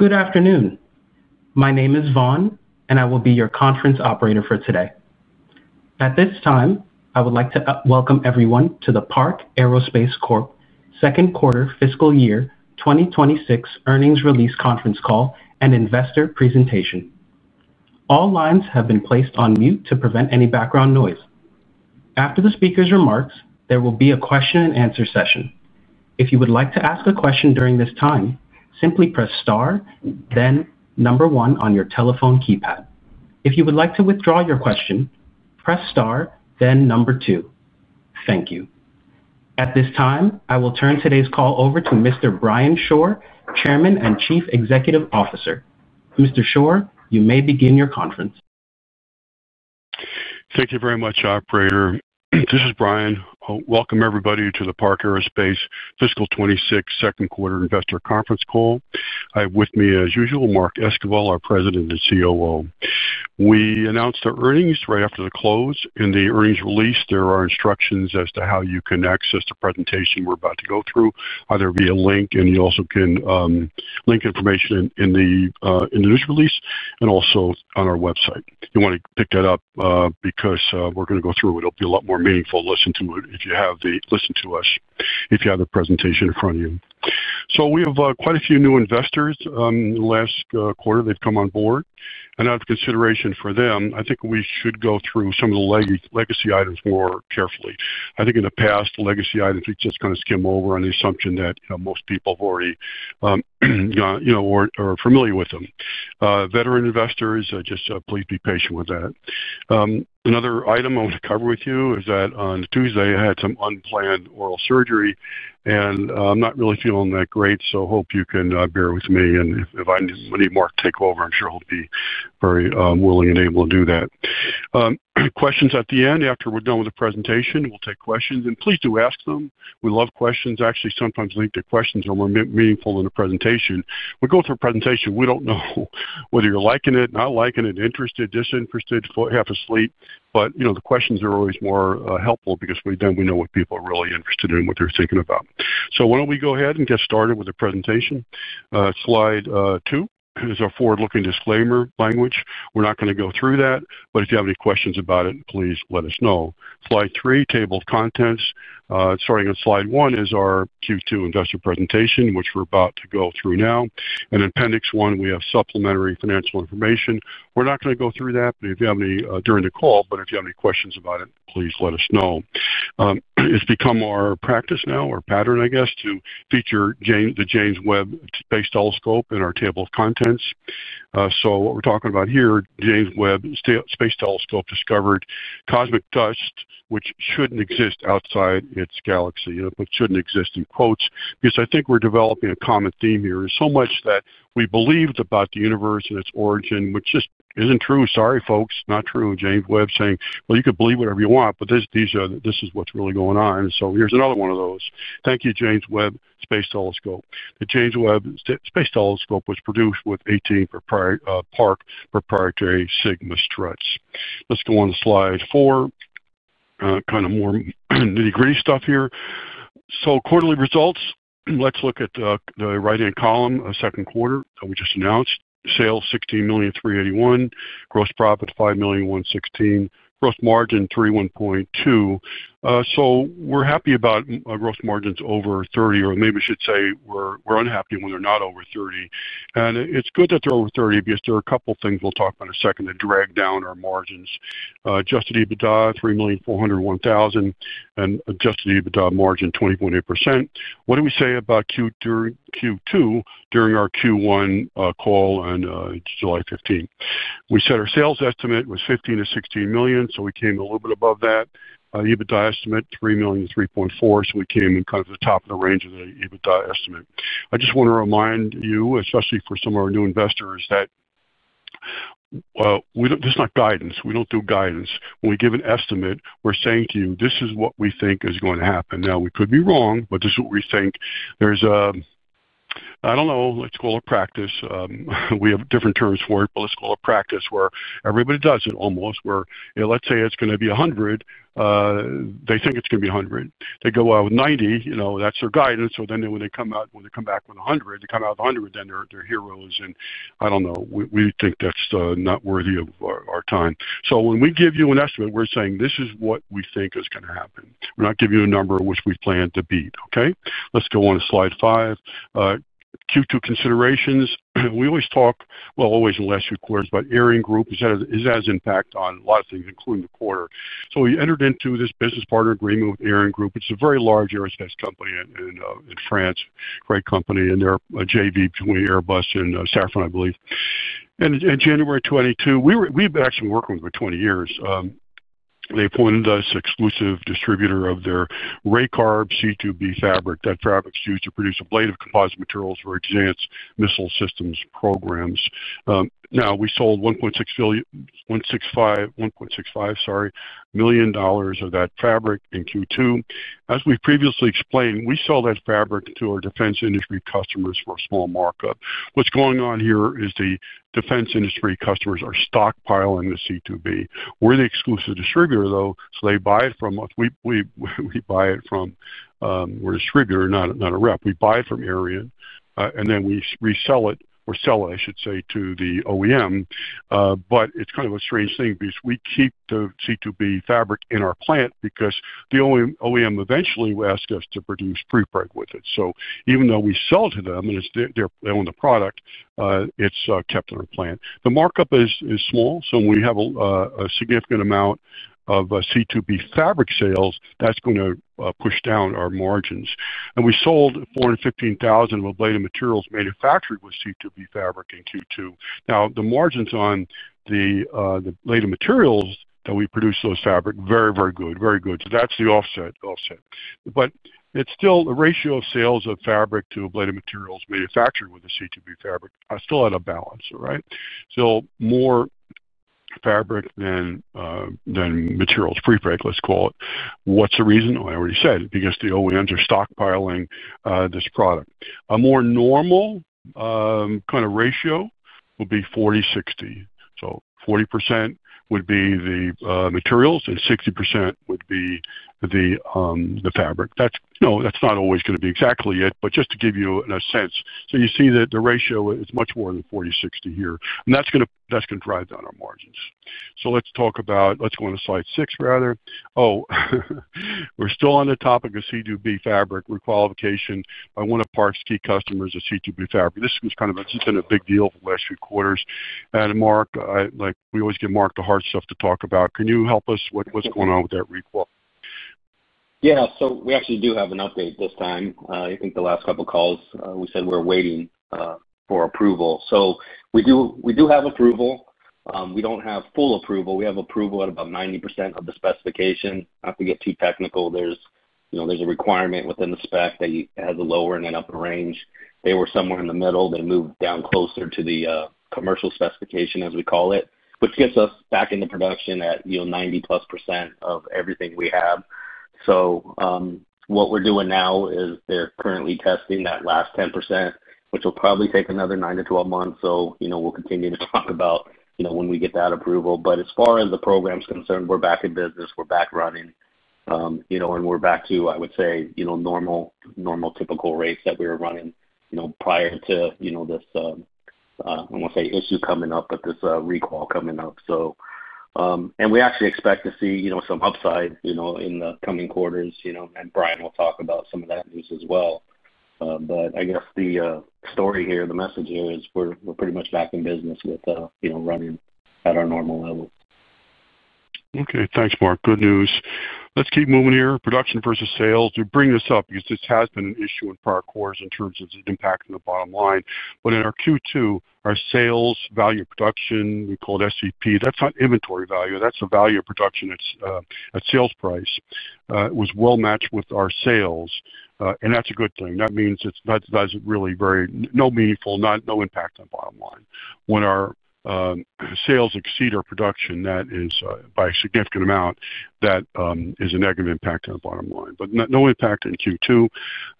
Good afternoon. My name is Vaughn, and I will be your conference operator for today. At this time, I would like to welcome everyone to the Park Aerospace Corp. second quarter fiscal year 2026 earnings release conference call and investor presentation. All lines have been placed on mute to prevent any background noise. After the speaker's remarks, there will be a question-and-answer session. If you would like to ask a question during this time, simply press star, then number one on your telephone keypad. If you would like to withdraw your question, press star, then number two. Thank you. At this time, I will turn today's call over to Mr. Brian Shore, Chairman and Chief Executive Officer. Mr. Shore, you may begin your conference. Thank you very much, Operator. This is Brian. Welcome everybody to the Park Aerospace fiscal 2026 second quarter investor conference call. I have with me, as usual, Mark Esquivel, our President and COO. We announced the earnings right after the close. In the earnings release, there are instructions as to how you can access the presentation we're about to go through, either via link, and you also can link information in the news release and also on our website. You want to pick that up because we're going to go through it. It'll be a lot more meaningful to listen to us if you have the presentation in front of you. We have quite a few new investors. The last quarter, they've come on board. Out of consideration for them, I think we should go through some of the legacy items more carefully. I think in the past, the legacy items we just kind of skim over on the assumption that most people are already, you know, familiar with them. Veteran investors, just please be patient with that. Another item I want to cover with you is that on Tuesday, I had some unplanned oral surgery, and I'm not really feeling that great, so hope you can bear with me. If I need Mark to take over, I'm sure he'll be very willing and able to do that. Questions at the end, after we're done with the presentation, we'll take questions, and please do ask them. We love questions. Actually, sometimes the questions are more meaningful than the presentation. We go through a presentation, we don't know whether you're liking it, not liking it, interested, disinterested, half asleep, but you know the questions are always more helpful because then we know what people are really interested in, what they're thinking about. Why don't we go ahead and get started with the presentation? Slide two is our forward-looking disclaimer language. We're not going to go through that, but if you have any questions about it, please let us know. Slide three, table of contents. Starting on slide one is our Q2 investor presentation, which we're about to go through now. In appendix one, we have supplementary financial information. We're not going to go through that during the call, but if you have any questions about it, please let us know. It's become our practice now, our pattern, I guess, to feature the James Webb Space Telescope in our table of contents. What we're talking about here, James Webb Space Telescope discovered cosmic dust, which shouldn't exist outside its galaxy, and it shouldn't exist in quotes. I think we're developing a common theme here. There's so much that we believed about the universe and its origin, which just isn't true. Sorry, folks, not true. James Webb saying, you could believe whatever you want, but this is what's really going on. Here's another one of those. Thank you, James Webb Space Telescope. The James Webb Space Telescope was produced with 18 Park proprietary SigmaStruts. Let's go on to slide four. Kind of more nitty-gritty stuff here. Quarterly results. Let's look at the right-hand column, a second quarter that we just announced. Sales $16,381,000, gross profit $5,116,000, gross margin 31.2%. We're happy about gross margins over 30%, or maybe we should say we're unhappy when they're not over 30%. It's good that they're over 30% because there are a couple of things we'll talk about in a second to drag down our margins. Adjusted EBITDA $3,401,000 and adjusted EBITDA margin 20.8%. What do we say about Q2 during our Q1 call on July 15th? We said our sales estimate was $15 million-$16 million, so we came a little bit above that. EBITDA estimate $3 million-$3.4 million, so we came in kind of the top of the range of the EBITDA estimate. I just want to remind you, especially for some of our new investors, that this is not guidance. We don't do guidance. When we give an estimate, we're saying to you, this is what we think is going to happen. We could be wrong, but this is what we think. There's, I don't know, let's call it practice. We have different terms for it, but let's call it practice where everybody does it almost, where let's say it's going to be 100. They think it's going to be 100. They go out with 90. That's their guidance. When they come back with 100, they come out with 100, then they're heroes. I don't know, we think that's not worthy of our time. When we give you an estimate, we're saying this is what we think is going to happen. We're not giving you a number of which we plan to beat. Let's go on to slide five. Q2 considerations. We always talk, always in the last few quarters, about ArianeGroup. It has an impact on a lot of things, including the quarter. We entered into this business partner agreement with ArianeGroup. It's a very large aerospace company in France. Great company. They're a JV between Airbus and Safran, I believe. In January 2022, we've been actually working with them for 20 years. They appointed us an exclusive distributor of their Raycarb C2B fabric. That fabric is used to produce a blade of composite materials for Xant's missile systems programs. We sold $1.65 million of that fabric in Q2. As we've previously explained, we sell that fabric to our defense industry customers for a small markup. What's going on here is the defense industry customers are stockpiling the C2B. We're the exclusive distributor, though. They buy it from us. We buy it from, we're a distributor, not a rep. We buy it from ArianeGroup. Then we resell it, or sell it, I should say, to the OEM. It's kind of a strange thing because we keep the C2B fabric in our plant because the OEM eventually asked us to produce pre-preg with it. Even though we sell to them, and they own the product, it's kept in our plant. The markup is small, so when we have a significant amount of C2B fabric sales, that's going to push down our margins. We sold $415,000 of a blade of materials manufactured with C2B fabric in Q2. The margins on the blade of materials that we produce with those fabrics are very, very good, very good. That's the offset. It's still a ratio of sales of fabric to a blade of materials manufactured with the C2B fabric. I still had a balance, right? Still more fabric than materials, pre-preg, let's call it. What's the reason? I already said it because the OEMs are stockpiling this product. A more normal kind of ratio would be 40/60. 40% would be the materials and 60% would be the fabric. That's not always going to be exactly it, but just to give you a sense. You see that the ratio is much more than 40/60 here. That's going to drive down our margins. Let's go on to slide six rather. We're still on the topic of C2B fabric requalification. I want to parse key customers of C2B fabric. This has kind of been a big deal in the last few quarters. Mark, like we always give Mark the hard stuff to talk about. Can you help us? What's going on with that request? Yeah, so we actually do have an update this time. I think the last couple of calls we said we're waiting for approval. We do have approval. We don't have full approval. We have approval at about 90% of the specification. Not to get too technical, there's a requirement within the spec that has a lower and an upper range. They were somewhere in the middle. They moved down closer to the commercial specification, as we call it, which gets us back into production at 90%+ of everything we have. What we're doing now is currently testing that last 10%, which will probably take another nine to 12 months. We'll continue to talk about when we get that approval. As far as the program's concerned, we're back in business. We're back running, and we're back to, I would say, normal, normal typical rates that we were running prior to this, I won't say issue coming up, but this recall coming up. We actually expect to see some upside in the coming quarters, and Brian will talk about some of that news as well. I guess the story here, the message here is we're pretty much back in business with running at our normal level. Okay, thanks, Mark. Good news. Let's keep moving here. Production versus sales. We bring this up because this has been an issue in prior quarters in terms of the impact on the bottom line. In our Q2, our sales value of production, we call it SVP, that's not inventory value. That's a value of production. It's a sales price. It was well matched with our sales. That's a good thing. That means it's not really very, no meaningful, not no impact on bottom line. When our sales exceed our production, that is by a significant amount, that is a negative impact on the bottom line. No impact in Q2.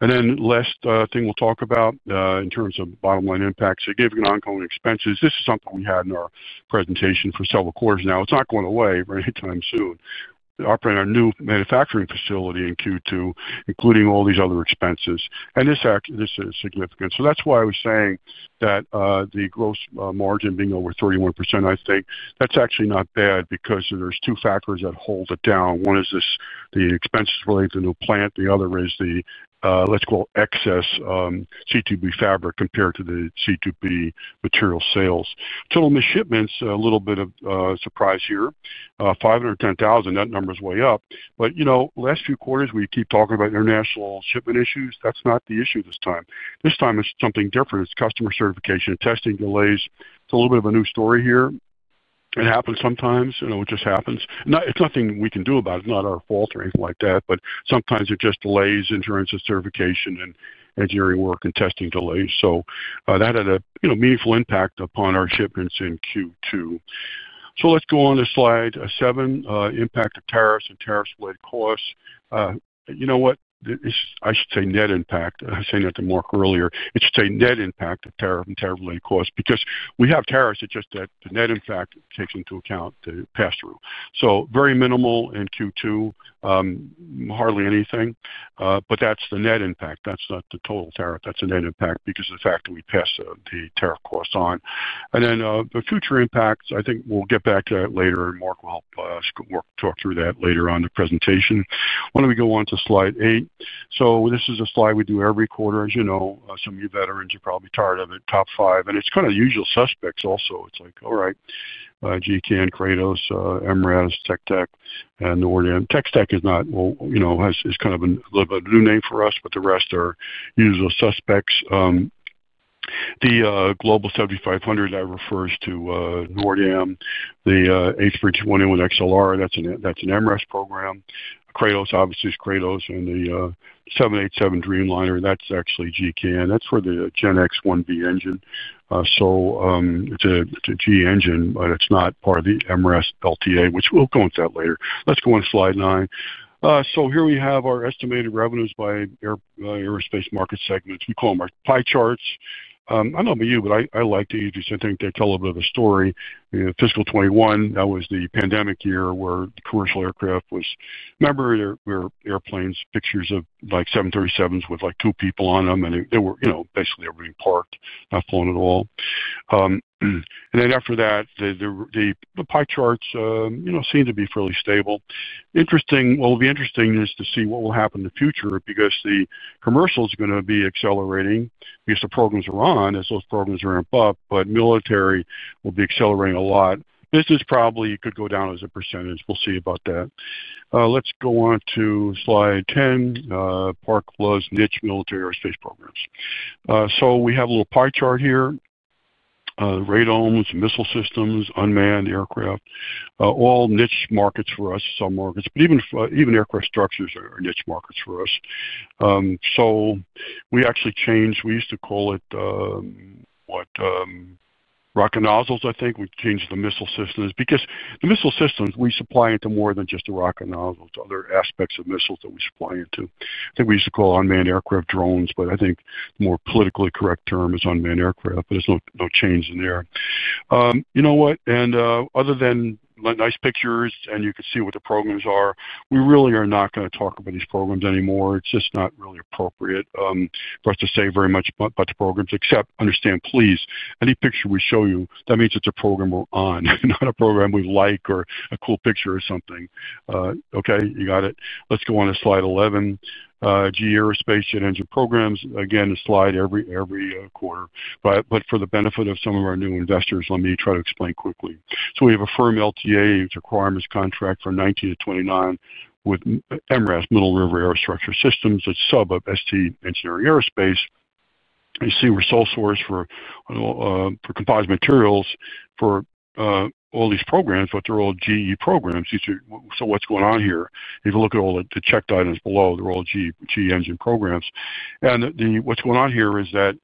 The last thing we'll talk about in terms of bottom line impact, significant ongoing expenses. This is something we had in our presentation for several quarters. Now it's not going away very time soon. Operating our new manufacturing facility in Q2, including all these other expenses. This is significant. That's why I was saying that the gross margin being over 31% is actually not bad because there are two factors that hold it down. One is the expenses related to the new plant. The other is the, let's call it excess C2B fabric compared to the C2B material sales. Total missed shipments, a little bit of a surprise here. $510,000, that number's way up. Last few quarters, we keep talking about international shipment issues. That's not the issue this time. This time it's something different. It's customer certification and testing delays. It's a little bit of a new story here. It happens sometimes, it just happens. It's nothing we can do about it. It's not our fault or anything like that, but sometimes it just delays insurance and certification and engineering work and testing delays. That had a meaningful impact upon our shipments in Q2. Let's go on to slide seven, impact of tariffs and tariff-related costs. I should say net impact. I was saying that to Mark earlier. It should say net impact of tariff and tariff-related costs because we have tariffs. The net impact takes into account the pass-through. Very minimal in Q2, hardly anything. That's the net impact. That's not the total tariff. That's a net impact because of the fact that we pass the tariff costs on. The future impacts, I think we'll get back to that later. Mark will help us talk through that later on in the presentation. Let's go on to slide eight. This is a slide we do every quarter, as you know. Some of you veterans are probably tired of it, top five. It's kind of the usual suspects also. It's like, all right, GTN, Kratos, MRAS, Tex Tech, and Nordam. Tex Tech is not, well, you know, is kind of a little bit of a new name for us, but the rest are usual suspects. The Global 7500, that refers to Nordam, the A321XLR, that's an MRAS program. Kratos, obviously, is Kratos, and the 787 Dreamliner, that's actually GTN. That's for the GEnx-1B engine. It's a G engine, but it's not part of the MRAS LTA, which we'll go into that later. Let's go on to slide nine. Here we have our estimated revenues by aerospace market segments. We call them our pie charts. I don't know about you, but I like the easiest. I think they tell a little bit of a story. In fiscal 2021, that was the pandemic year where the commercial aircraft was, remember, there were airplanes, pictures of like 737s with like two people on them, and they were, you know, basically they were being parked, not flown at all. After that, the pie charts, you know, seem to be fairly stable. It will be interesting just to see what will happen in the future because the commercial is going to be accelerating because the programs are on as those programs ramp up, but military will be accelerating a lot. Business probably could go down as a percentage. We'll see about that. Let's go on to slide 10. Park loves niche military aerospace programs. We have a little pie chart here. Raid homes, missile systems, unmanned aircraft, all niche markets for us, some markets, but even aircraft structures are niche markets for us. We actually changed, we used to call it rocket nozzles, I think. We changed to missile systems because the missile systems we supply into more than just the rocket nozzles, other aspects of missiles that we supply into. I think we used to call unmanned aircraft drones, but I think the more politically correct term is unmanned aircraft, but there's no change in there. You know what? Other than nice pictures and you can see what the programs are, we really are not going to talk about these programs anymore. It's just not really appropriate for us to say very much about the programs, except understand, please, any picture we show you, that means it's a program we're on, not a program we like or a cool picture or something. Okay, you got it. Let's go on to slide 11. GE Aerospace Ship Engine Programs. Again, a slide every quarter. For the benefit of some of our new investors, let me try to explain quickly. We have a firm LTA, which requires a contract for 2019 to 2029 with MRAS, Middle River Aerostructure Systems. It's a sub of ST Engineering Aerospace. You see, we're a sole source for composite materials for all these programs, but they're all GE programs. If you look at all the checked items below, they're all GE engine programs. What's going on here is that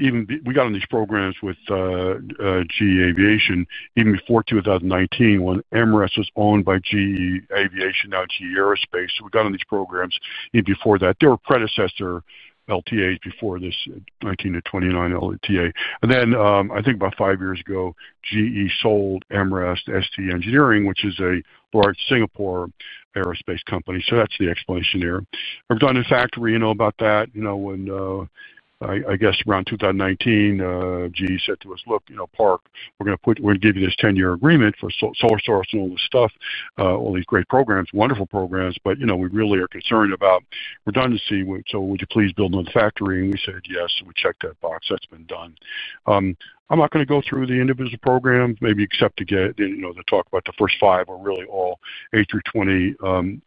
we got on these programs with GE Aviation even before 2019, when MRAS was owned by GE Aviation, now GE Aerospace. We got on these programs even before that. There were predecessor LTAs before this 2019 to 2029 LTA. About five years ago, GE sold MRAS to ST Engineering, which is a large Singapore aerospace company. That's the explanation here. I'm done in factory, you know about that. Around 2019, GE said to us, "Look, you know, Park, we're going to give you this 10-year agreement for sole source and all this stuff, all these great programs, wonderful programs, but you know, we really are concerned about redundancy. Would you please build another factory?" We said, "Yes." We checked that box. That's been done. I'm not going to go through the individual programs, maybe except to talk about the first five, which are really all A320neo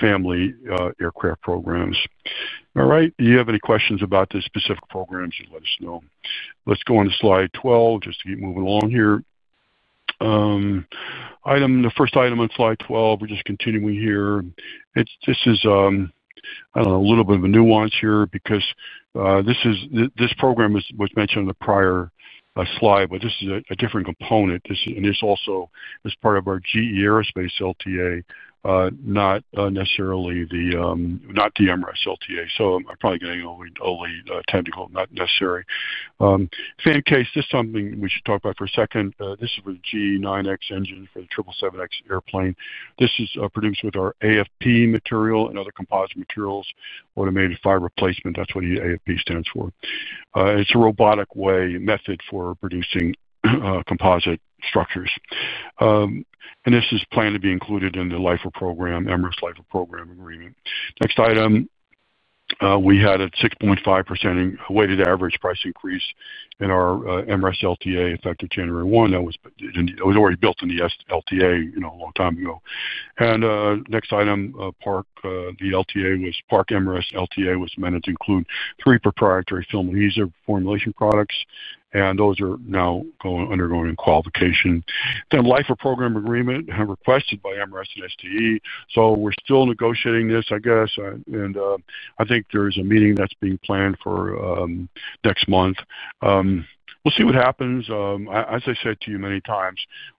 family aircraft programs. If you have any questions about the specific programs, let us know. Let's go on to slide 12 just to keep moving along here. The first item on slide 12, we're just continuing here. This is a little bit of a nuance because this program is what's mentioned on the prior slide, but this is a different component. This is also as part of our GE Aerospace LTA, not necessarily the MRAS LTA. I'm probably going to only tend to call it not necessary. Fan case, this is something we should talk about for a second. This is with GEnx engine for the 777X airplane. This is produced with our AFP material and other composite materials, automated fiber placement. That's what the AFP stands for. It's a robotic way, method for producing composite structures. This is planned to be included in the LIFR program, MRAS LIFR program agreement. Next item, we had a 6.5% weighted average price increase in our MRAS LTA effective January 1. That was already built in the LTA a long time ago. Next item, the Park MRAS LTA was meant to include three proprietary film and resin formulation products. Those are now undergoing qualification. The LIFR program agreement was requested by MRAS and ST Engineering Aerospace. We are still negotiating this, I guess. I think there's a meeting that's being planned for next month. We'll see what happens. As I said to you many times,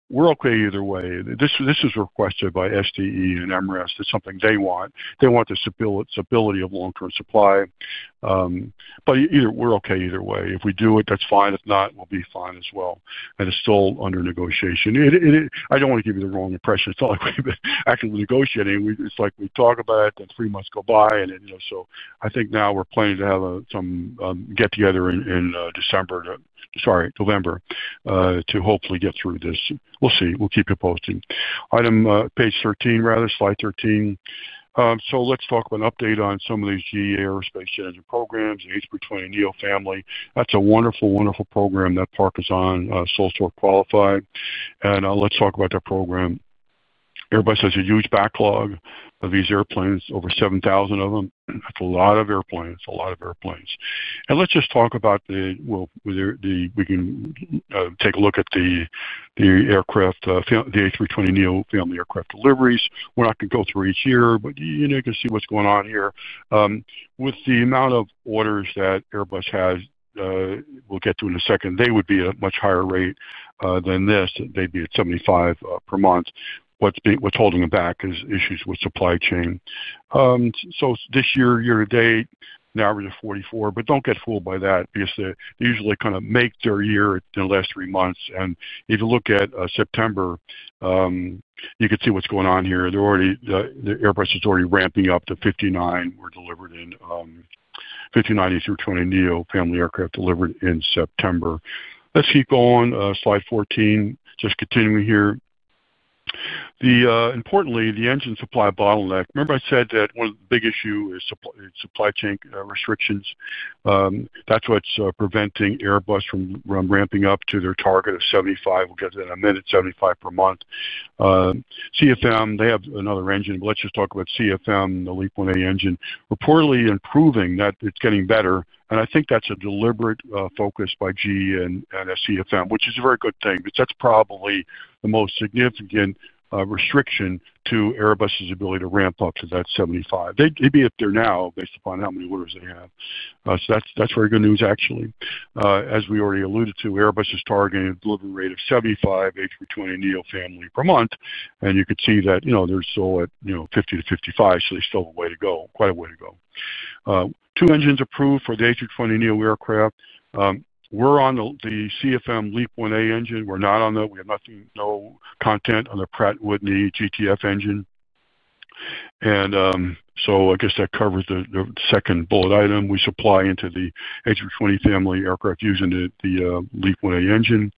we're okay either way. This was requested by ST Engineering Aerospace and MRAS. It's something they want. They want the stability of long-term supply. We're okay either way. If we do it, that's fine. If not, we'll be fine as well. It's still under negotiation. I don't want to give you the wrong impression. It's not like we've been actively negotiating. We talk about it, then three months go by. I think now we're planning to have some get-together in November to hopefully get through this. We'll see. We'll keep you posted. Slide 13. Let's talk about an update on some of these GE Aerospace engine programs, the A320neo family. That's a wonderful, wonderful program that Park is on, a sole source qualified. Let's talk about that program. Airbus has a huge backlog of these airplanes, over 7,000 of them. That's a lot of airplanes, a lot of airplanes. Let's just talk about the aircraft, the A320neo family aircraft deliveries. We're not going to go through each year, but you can see what's going on here. With the amount of orders that Airbus has, we'll get to in a second, they would be at a much higher rate than this. They'd be at 75 per month. What's holding them back is issues with supply chain. This year, year to date, an average of 44, but don't get fooled by that because they usually kind of make their year in the last three months. If you look at September, you can see what's going on here. Airbus is already ramping up to 59. There were 59 A320neo family aircraft delivered in September. Slide 14, just continuing here. Importantly, the engine supply bottleneck. Remember I said that one of the big issues is supply chain restrictions. That's what's preventing Airbus from ramping up to their target of 75. We'll get to that in a minute, 75 per month. CFM, they have another engine, but let's just talk about CFM, the LEAP-1A engine, reportedly improving that. It's getting better. I think that's a deliberate focus by GE and CFM, which is a very good thing, because that's probably the most significant restriction to Airbus's ability to ramp up to that 75. Maybe if they're now, based upon how many orders they have. That's very good news, actually. As we already alluded to, Airbus is targeting a delivery rate of 75 A320neo family per month. You can see that they're still at 50-55, so there's still a way to go, quite a way to go. Two engines approved for the A320neo aircraft. We're on the CFM LEAP-1A engine. We're not on the, we have nothing, no content on the Pratt & Whitney GTF engine. I guess that covers the second bullet item. We supply into the A320 family aircraft using the LEAP-1A engine.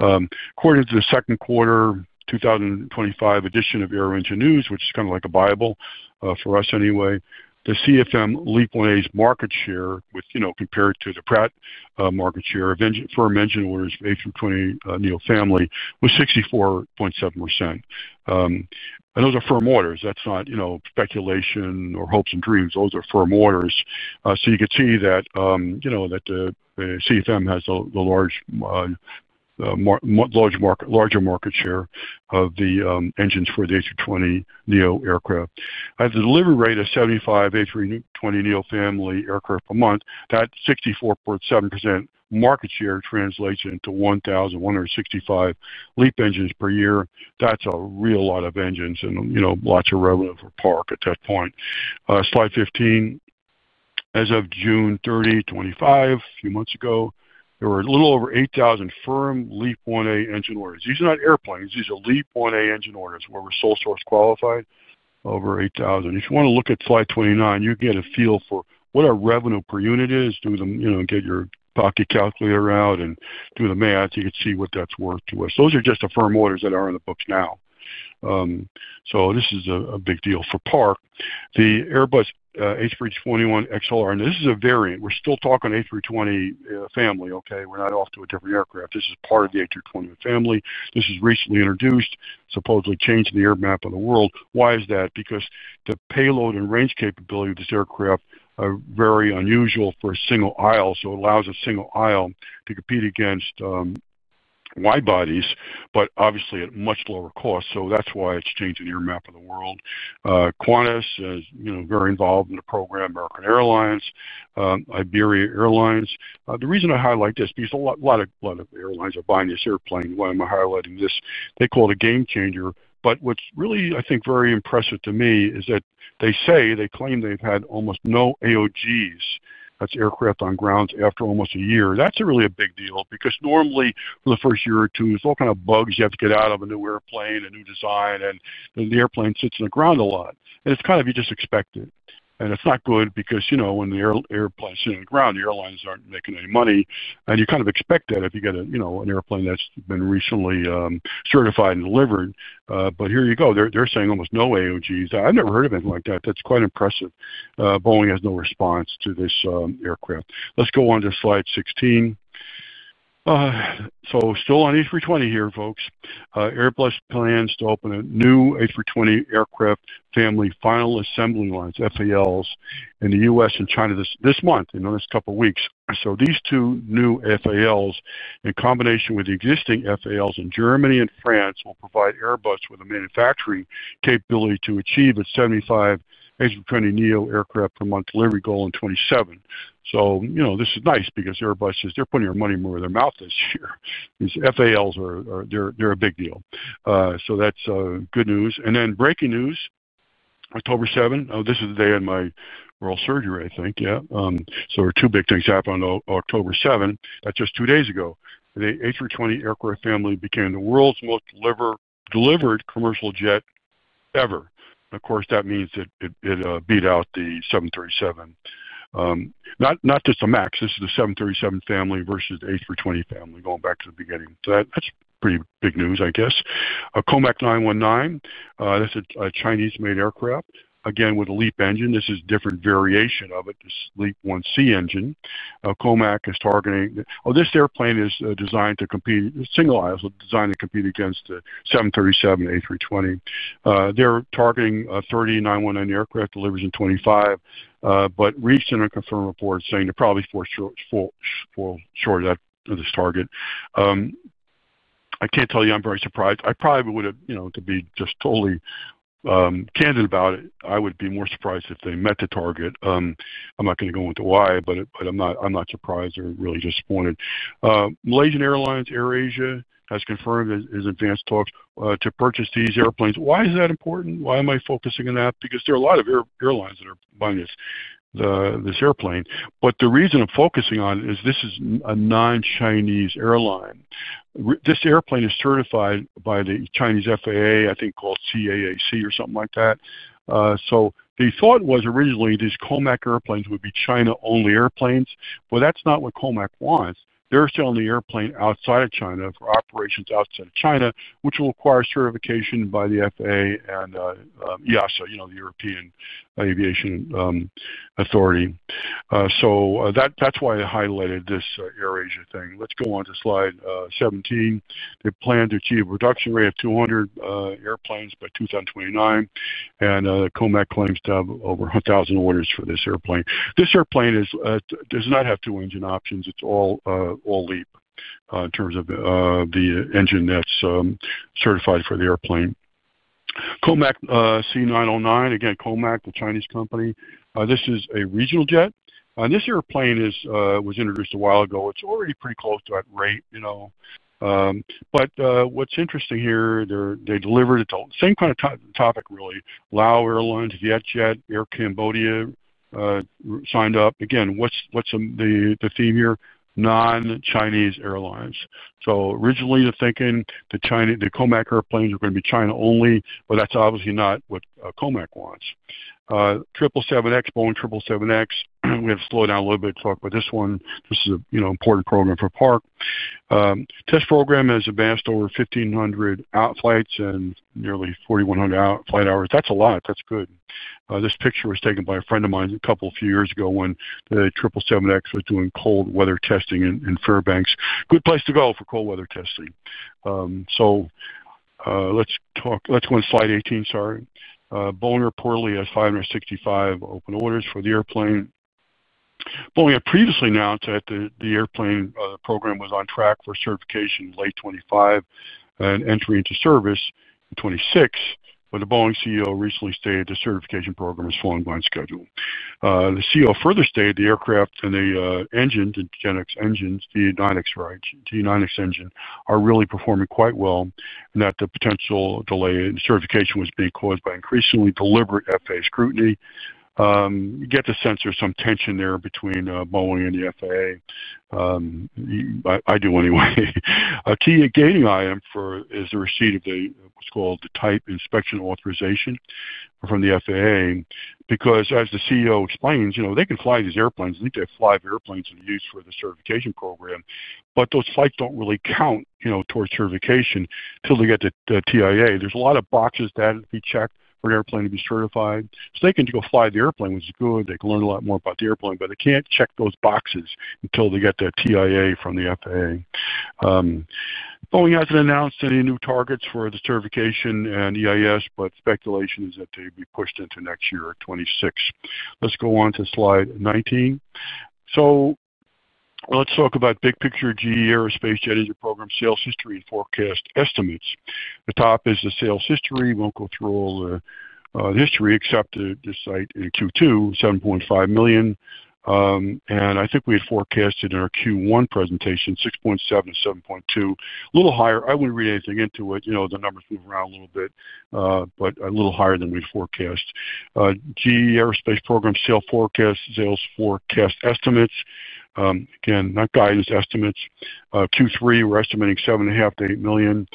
According to the second quarter 2025 edition of Air Engine News, which is kind of like a Bible for us anyway, the CFM LEAP-1A's market share, compared to the Pratt market share of firm engine orders of A320neo family, was 64.7%. Those are firm orders. That's not speculation or hopes and dreams. Those are firm orders. You can see that the CFM has the larger market share of the engines for the A320neo aircraft. At the delivery rate of 75 A320neo family aircraft per month, that 64.7% market share translates into 1,165 LEAP engines per year. That's a real lot of engines and, you know, lots of revenue for Park at that point. Slide 15. As of June 30, 2025, a few months ago, there were a little over 8,000 firm LEAP-1A engine orders. These are not airplanes. These are LEAP-1A engine orders where we're sole source qualified, over 8,000. If you want to look at slide 29, you can get a feel for what our revenue per unit is through the, you know, get your POC calculator out and do the math. You can see what that's worth to us. Those are just the firm orders that are in the books now. This is a big deal for Park. The Airbus A321XLR, and this is a variant. We're still talking A320 family, okay? We're not off to a different aircraft. This is part of the A321 family. This is recently introduced, supposedly changing the air map of the world. Why is that? Because the payload and range capability of this aircraft are very unusual for a single aisle. It allows a single aisle to compete against wide bodies, but obviously at much lower cost. That's why it's changing the air map of the world. Qantas is very involved in the program, American Airlines, Iberia Airlines. The reason I highlight this is because a lot of airlines are buying this airplane. Why am I highlighting this? They call it a game changer. What's really, I think, very impressive to me is that they say they claim they've had almost no AOGs, that's aircraft on ground, after almost a year. That's really a big deal because normally in the first year or two, there's all kinds of bugs you have to get out of a new airplane, a new design, and the airplane sits on the ground a lot. You just expect it. It's not good because, you know, when the airplane's sitting on the ground, the airlines aren't making any money. You kind of expect that if you get an airplane that's been recently certified and delivered. Here you go. They're saying almost no AOGs. I've never heard of anything like that. That's quite impressive. Boeing has no response to this aircraft. Let's go on to slide 16. Still on A320 here, folks. Airbus plans to open a new A320 aircraft family final assembly lines, FALs, in the U.S. and China this month, in the next couple of weeks. These two new FALs, in combination with the existing FALs in Germany and France, will provide Airbus with a manufacturing capability to achieve a 75 A320neo aircraft per month delivery goal in 2027. This is nice because Airbus is, they're putting their money more in their mouth this year. These FALs are a big deal. That's good news. Breaking news, October 7. Oh, this is the day of my oral surgery, I think. Yeah. There were two big things happening on October 7. That's just two days ago. The A320 aircraft family became the world's most delivered commercial jet ever. Of course, that means that it beat out the 737. Not just a MAX. This is the 737 family versus the A320 family, going back to the beginning. That's pretty big news, I guess. A COMAC 919. That's a Chinese-made aircraft. Again, with a LEAP engine. This is a different variation of it. This is LEAP-1C engine. COMAC is targeting. Oh, this airplane is designed to compete. The single aisle is designed to compete against the 737, A320. They're targeting 30 919 aircraft deliveries in 2025, but recent unconfirmed reports saying they're probably for sure at this target. I can't tell you I'm very surprised. I probably would have, you know, to be just totally candid about it, I would be more surprised if they met the target. I'm not going to go into why, but I'm not surprised or really disappointed. Malaysian Airlines, AirAsia, has confirmed in advanced talks to purchase these airplanes. Why is that important? Why am I focusing on that? There are a lot of airlines that are buying this airplane. The reason I'm focusing on it is this is a non-Chinese airline. This airplane is certified by the Chinese FAA, I think called CAAC or something like that. They thought it was originally these COMAC airplanes would be China-only airplanes. That's not what COMAC wants. They're selling the airplane outside of China for operations outside of China, which will require certification by the FAA and EASA, you know, the European Aviation Authority. That's why I highlighted this AirAsia thing. Let's go on to slide 17. They plan to achieve a production rate of 200 airplanes by 2029. COMAC claims to have over 1,000 orders for this airplane. This airplane does not have two engine options. It's all LEAP in terms of the engine that's certified for the airplane. COMAC C909, again, COMAC, the Chinese company. This is a regional jet. This airplane was introduced a while ago. It's already pretty close to that rate, you know. What's interesting here, they delivered it. Same kind of topic, really. Lao Airlines, VietJet, Air Cambodia signed up. Again, what's the theme here? Non-Chinese airlines. Originally, they're thinking the COMAC airplanes are going to be China only, but that's obviously not what COMAC wants. 777X, Boeing 777X, we have to slow down a little bit to talk about this one. This is an important program for Park. Test program has advanced over 1,500 outflights and nearly 4,100 flight hours. That's a lot. That's good. This picture was taken by a friend of mine a couple of years ago when the 777X was doing cold weather testing in Fairbanks. Good place to go for cold weather testing. Let's talk, let's go on to slide 18, sorry. Boeing reportedly has 565 open orders for the airplane. Boeing had previously announced that the airplane program was on track for certification in late 2025 and entry into service in 2026, but the Boeing CEO recently stated the certification program is falling behind schedule. The CEO further stated the aircraft and the engine, the Gen X engines, the 9X engine, are really performing quite well and that the potential delay in certification was being caused by increasingly deliberate FAA scrutiny. You get the sense there's some tension there between Boeing and the FAA. I do anyway. A key gating item is the receipt of what's called the type inspection authorization from the FAA because as the CEO explains, you know, they can fly these airplanes. They need to have five airplanes that are used for the certification program, but those flights don't really count, you know, towards certification until they get the TIA. There's a lot of boxes that have to be checked for an airplane to be certified. They can go fly the airplane, which is good. They can learn a lot more about the airplane, but they can't check those boxes until they get the TIA from the FAA. Boeing hasn't announced any new targets for the certification and EIS, but speculation is that they'd be pushed into next year, 2026. Let's go on to slide 19. Let's talk about big picture GE Aerospace Jet Engine Program sales history and forecast estimates. The top is the sales history. We won't go through all the history except this site in Q2, $7.5 million. I think we had forecasted in our Q1 presentation $6.7 million-$7.2 million, a little higher. I wouldn't read anything into it. The numbers move around a little bit, but a little higher than we forecast. GE Aerospace Program sales forecast estimates, again, not guidance, estimates. Q3, we're estimating $7.5 million-$8 million.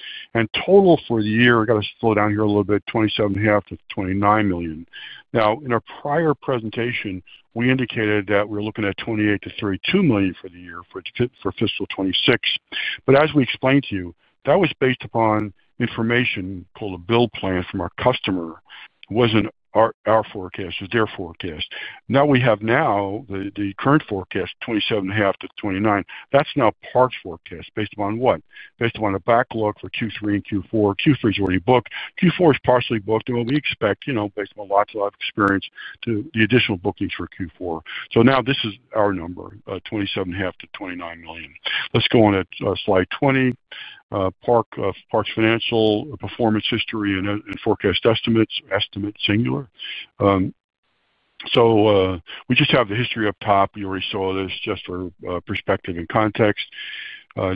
Total for the year, I got to slow down here a little bit, $27.5 million-$29 million. In our prior presentation, we indicated that we're looking at $28 million-$32 million for the year for fiscal 2026. As we explained to you, that was based upon information pulled, a build plan from our customer, wasn't our forecast, was their forecast. Now we have now the current forecast, $27.5 million-$29 million. That's now Park's forecast based upon what? Based upon a backlog for Q3 and Q4. Q3 is already booked. Q4 is partially booked. What we expect, you know, based upon lots of experience, the additional bookings for Q4. Now this is our number, $27.5 million-$29 million. Let's go on to slide 20. Park's financial performance history and forecast estimates, estimate singular. We just have the history up top. You already saw this just for perspective and context.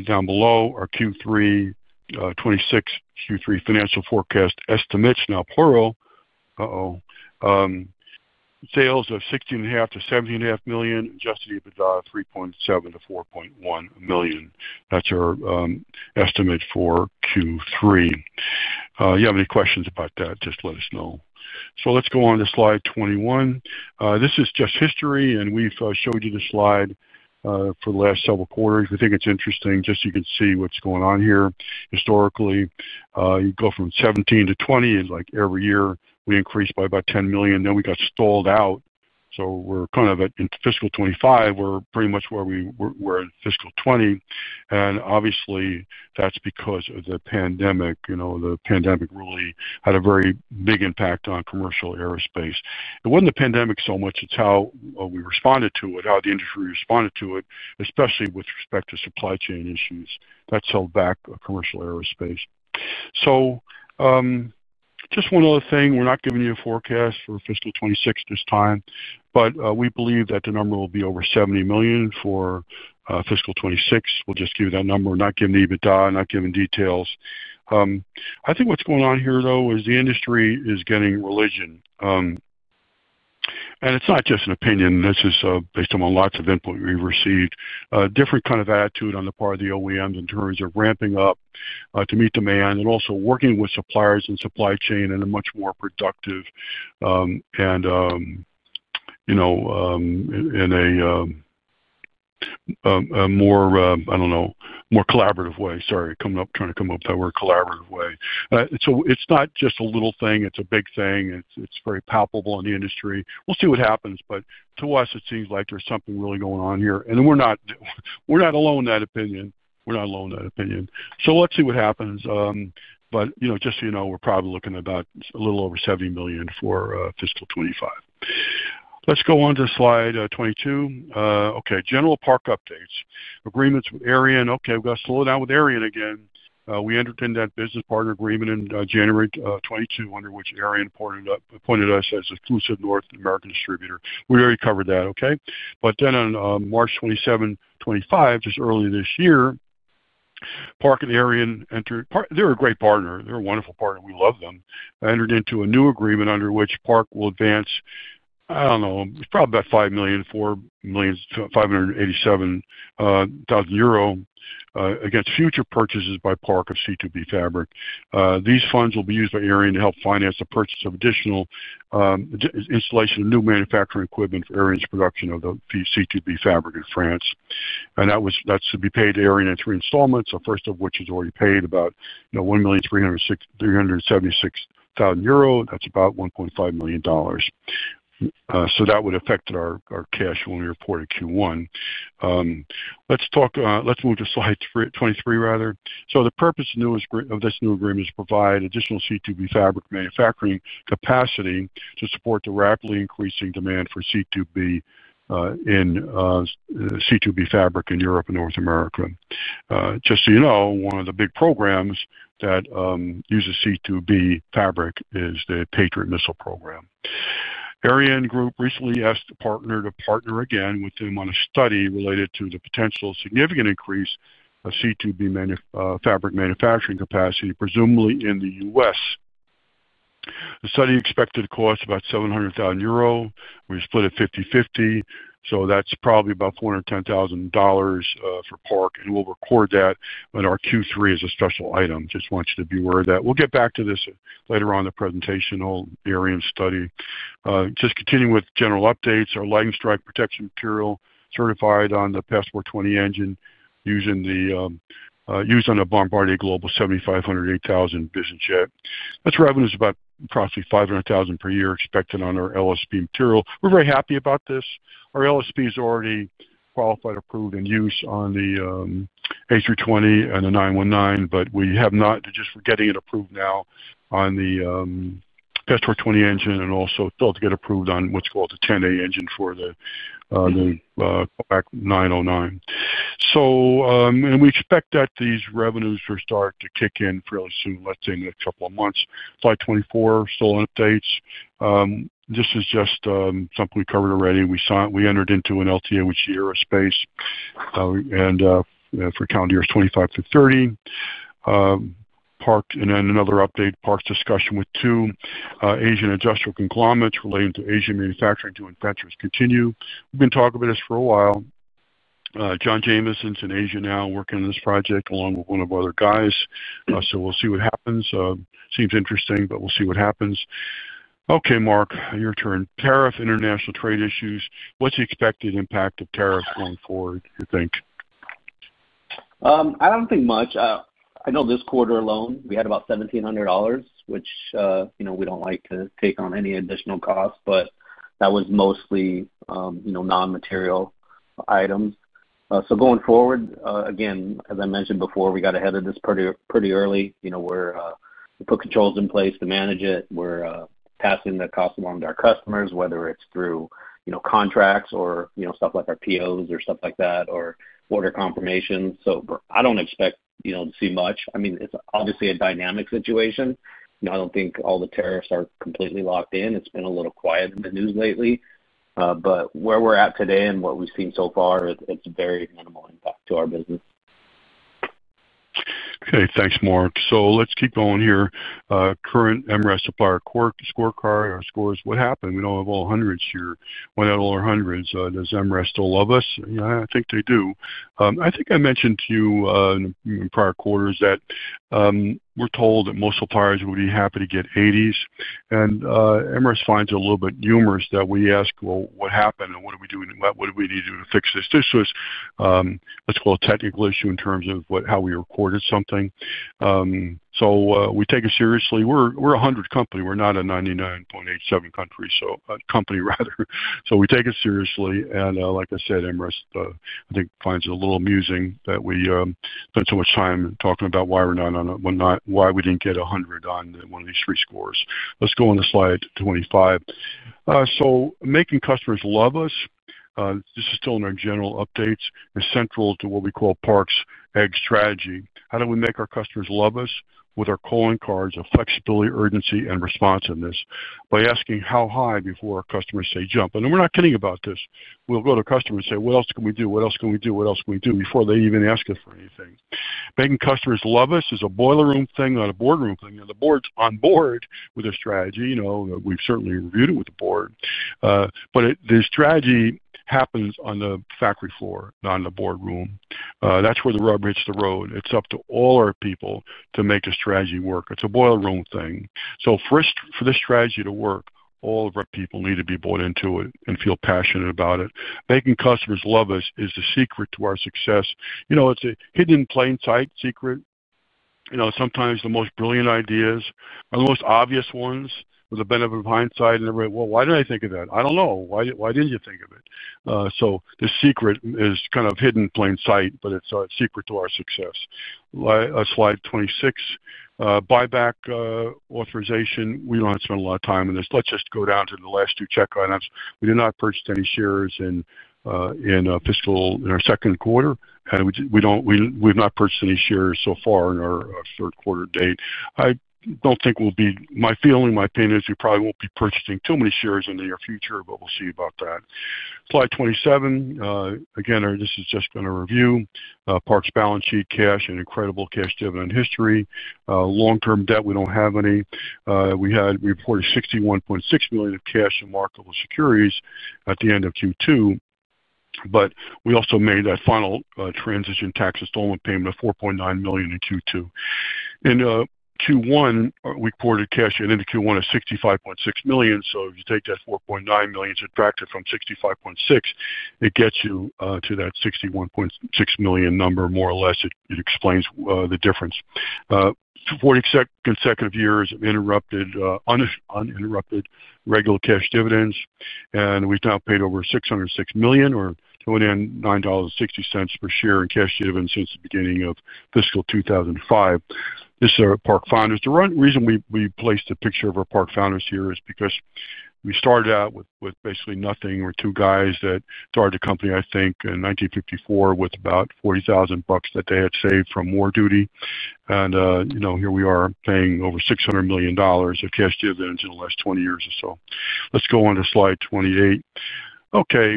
Down below are Q3, 2026, Q3 financial forecast estimates, now plural. Sales of $16.5 million-$17.5 million, adjusted EBITDA $3.7 million-$4.1 million. That's our estimate for Q3. You have any questions about that, just let us know. Let's go on to slide 21. This is just history, and we've showed you the slide for the last several quarters. We think it's interesting just so you can see what's going on here. Historically, you go from 2017 to 2020, like every year, we increased by about $10 million. Then we got stalled out. We're kind of at fiscal 2025. We're pretty much where we were in fiscal 2020. Obviously, that's because of the pandemic. You know, the pandemic really had a very big impact on commercial aerospace. It wasn't the pandemic so much. It's how we responded to it, how the industry responded to it, especially with respect to supply chain issues that held back commercial aerospace. Just one other thing. We're not giving you a forecast for fiscal 2026 this time, but we believe that the number will be over $70 million for fiscal 2026. We'll just give you that number. We're not giving the EBITDA, not giving details. I think what's going on here, though, is the industry is getting religion. It's not just an opinion. This is based on lots of input we've received. A different kind of attitude on the part of the OEMs in terms of ramping up to meet demand and also working with suppliers and supply chain in a much more productive and, you know, in a more, I don't know, more collaborative way. Sorry, trying to come up with that word, collaborative way. It's not just a little thing. It's a big thing. It's very palpable in the industry. We'll see what happens. To us, it seems like there's something really going on here. We're not alone in that opinion. We're not alone in that opinion. Let's see what happens. You know, just so you know, we're probably looking at about a little over $70 million for fiscal 2025. Let's go on to slide 22. Okay, general Park updates. Agreements with ArianeGroup. Okay, we've got to slow down with ArianeGroup again. We entered into that business partner agreement in January 2022, under which ArianeGroup appointed us as an exclusive North American distributor. We already covered that, okay? Then on March 27, 2025, just early this year, Park and ArianeGroup entered. They're a great partner. They're a wonderful partner. We love them. Entered into a new agreement under which Park will advance, I don't know, it's probably about $5 million, 4,587,000 euro against future purchases by Park of C2B fabric. These funds will be used by ArianeGroup to help finance the purchase and installation of new manufacturing equipment for ArianeGroup's production of the Raycarb C2B fabric in France. That should be paid to ArianeGroup in three installments, the first of which is already paid, about 1,376,000 euro. That's about $1.5 million. That would affect our cash when we reported Q1. Let's move to slide 23, rather. The purpose of this new agreement is to provide additional Raycarb C2B fabric manufacturing capacity to support the rapidly increasing demand for Raycarb C2B fabric in Europe and North America. Just so you know, one of the big programs that uses Raycarb C2B fabric is the Patriot missile system. ArianeGroup recently asked a partner to partner again with them on a study related to the potential significant increase of Raycarb C2B fabric manufacturing capacity, presumably in the U.S. The study is expected to cost about 700,000 euro. We split it 50/50. That's probably about $410,000 for Park. We'll record that on our Q3 as a special item. Just want you to be aware of that. We'll get back to this later on in the presentation on the ArianeGroup study. Continuing with general updates. Our lightning strike protection material is certified on the Passport 20 engine used on a Bombardier Global 7500-8000 business jet. That's revenues of approximately $500,000 per year expected on our LSP material. We're very happy about this. Our LSP is already qualified, approved, and used on the A320neo family and the 919, but we're just getting it approved now on the Passport 20 engine and also still to get approved on what's called the 10A engine for the COMAC 909. We expect that these revenues will start to kick in fairly soon, let's say in a couple of months. Slide 24, still on updates. This is just something we covered already. We entered into an LTA with GE Aerospace for the calendar years 2025 through 2030. Park, and then another update, Park's discussion with two Asian industrial conglomerates relating to Asian manufacturing to investors continue. We've been talking about this for a while. John Jamison's in Asia now working on this project along with one of our other guys. We'll see what happens. Seems interesting, but we'll see what happens. Okay, Mark, your turn. Tariff international trade issues. What's the expected impact of tariff going forward, you think? I don't think much. I know this quarter alone, we had about $1,700, which, you know, we don't like to take on any additional cost, but that was mostly non-material items. Going forward, as I mentioned before, we got ahead of this pretty early. We put controls in place to manage it. We're passing the cost along to our customers, whether it's through contracts or stuff like our POs or order confirmation. I don't expect to see much. It's obviously a dynamic situation. I don't think all the tariffs are completely locked in. It's been a little quiet in the news lately. Where we're at today and what we've seen so far, it's very minimal impact to our business. Okay, thanks, Mark. Let's keep going here. Current MRAS supplier scorecard or scores, what happened? We don't have all hundreds here. Why not all our hundreds? Does MRAS still love us? Yeah, I think they do. I think I mentioned to you in the prior quarters that we're told that most suppliers would be happy to get 80s. MRAS finds it a little bit humorous that we ask, what happened and what do we do? What do we need to do to fix this? This was, let's call it a technical issue in terms of how we recorded something. We take it seriously. We're a hundred company. We're not a $99.87 company. We take it seriously. MRAS, I think, finds it a little amusing that we spent so much time talking about why we didn't get a hundred on one of these three scores. Let's go on to slide 25. Making customers love us, this is still in our general updates, is central to what we call Park's egg strategy. How do we make our customers love us with our calling cards of flexibility, urgency, and responsiveness? By asking how high before our customers say jump. We're not kidding about this. We'll go to customers and say, what else can we do? What else can we do? What else can we do? Before they even ask us for anything. Making customers love us is a boiler room thing, not a board room thing. The board's on board with their strategy. We've certainly reviewed it with the board. The strategy happens on the factory floor, not in the board room. That's where the rubber meets the road. It's up to all our people to make the strategy work. It's a boiler room thing. For this strategy to work, all of our people need to be bought into it and feel passionate about it. Making customers love us is the secret to our success. It's a hidden in plain sight secret. Sometimes the most brilliant ideas are the most obvious ones with the benefit of hindsight. They're like, why didn't I think of that? I don't know. Why didn't you think of it? The secret is kind of hidden in plain sight, but it's a secret to our success. Slide 26. Buyback authorization. We don't have to spend a lot of time on this. Let's just go down to the last two check items. We did not purchase any shares in fiscal in our second quarter. We have not purchased any shares so far in our third quarter to date. I don't think we'll be, my feeling, my opinion is we probably won't be purchasing too many shares in the near future, but we'll see about that. Slide 27. Again, this has just been a review. Park's balance sheet, cash, and incredible cash dividend history. Long-term debt, we don't have any. We reported $61.6 million of cash and marketable securities at the end of Q2. We also made that final transition tax installment payment of $4.9 million in Q2. In Q1, we reported cash at the end of Q1 at $65.6 million. If you take that $4.9 million subtracted from $65.6 million, it gets you to that $61.6 million number, more or less. It explains the difference. Two consecutive years of uninterrupted regular cash dividends. We've now paid over $606 million or $29.60 per share in cash dividends since the beginning of fiscal 2005. This is our Park Founders. The reason we placed a picture of our Park Founders here is because we started out with basically nothing. We're two guys that started the company, I think, in 1954 with about $40,000 that they had saved from war duty. You know, here we are paying over $600 million of cash dividends in the last 20 years or so. Let's go on to slide 28.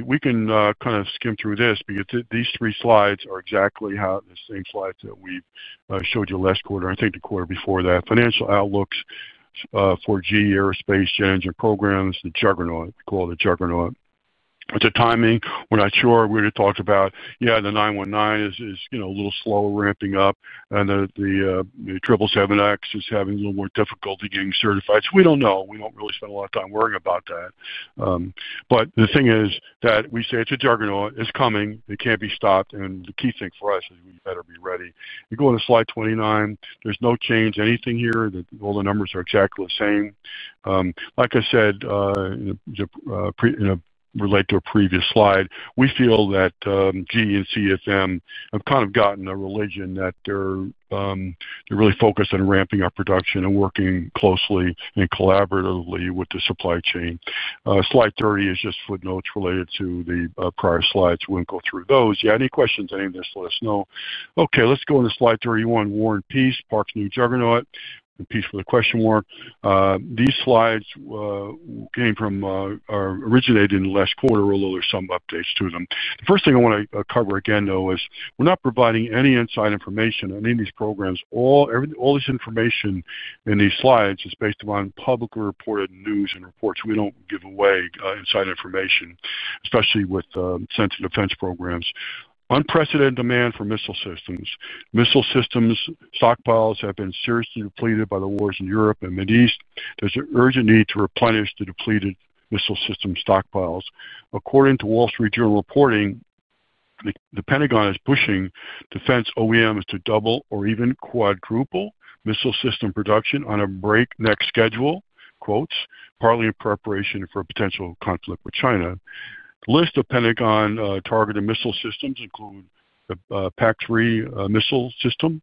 We can kind of skim through this because these three slides are exactly the same slides that we showed you last quarter, I think the quarter before that. Financial outlooks for GE Aerospace Challenger programs, the juggernaut, we call it the juggernaut. With the timing, we're not sure. We're going to talk about, yeah, the 919 is, you know, a little slow ramping up. The 777X is having a little more difficulty getting certified. We don't know. We don't really spend a lot of time worrying about that. The thing is that we say it's a juggernaut. It's coming. It can't be stopped. The key thing for us is we better be ready. You go into slide 29. There's no change in anything here. All the numbers are exactly the same. Like I said, in relation to a previous slide, we feel that GE and CFM have kind of gotten a religion that they're really focused on ramping up production and working closely and collaboratively with the supply chain. Slide 30 is just footnotes related to the prior slides. We'll go through those. Any questions on any of this, let us know. Let's go into slide 31. War and Peace, Park's new juggernaut, the peace with a question mark. These slides came from, originated in the last quarter, although there's some updates to them. The first thing I want to cover again, though, is we're not providing any inside information on any of these programs. All this information in these slides is based upon publicly reported news and reports. We don't give away inside information, especially with sensitive defense programs. Unprecedented demand for missile systems. Missile systems' stockpiles have been seriously depleted by the wars in Europe and the Middle East. There's an urgent need to replenish the depleted missile system stockpiles. According to Wall Street Journal reporting, the Pentagon is pushing defense OEMs to double or even quadruple missile system production on a breakneck schedule, quotes, partly in preparation for a potential conflict with China. A list of Pentagon-targeted missile systems includes the PAC-3 missile system,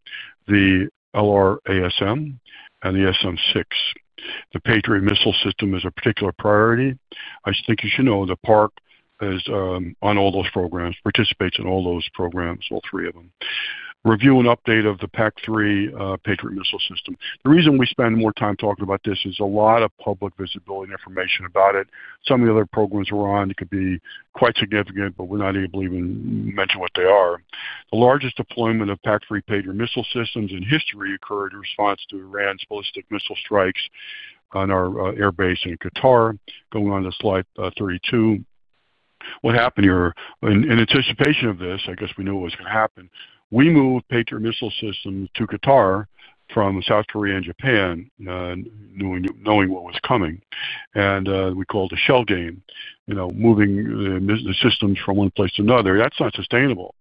the LRASM, and the SM-6. The Patriot missile system is a particular priority. I just think you should know that Park is on all those programs, participates in all those programs, all three of them. Review and update of the PAC-3 Patriot missile system. The reason we spend more time talking about this is a lot of public visibility and information about it. Some of the other programs we're on, it could be quite significant, but we're not able to even mention what they are. The largest deployment of PAC-3 Patriot missile systems in history occurred in response to Iran's ballistic missile strikes on our airbase in Qatar. Going on to slide 32. What happened here? In anticipation of this, I guess we knew what was going to happen. We moved Patriot missile systems to Qatar from South Korea and Japan, knowing what was coming. We called it a shell game. You know, moving the systems from one place to another, that's not sustainable.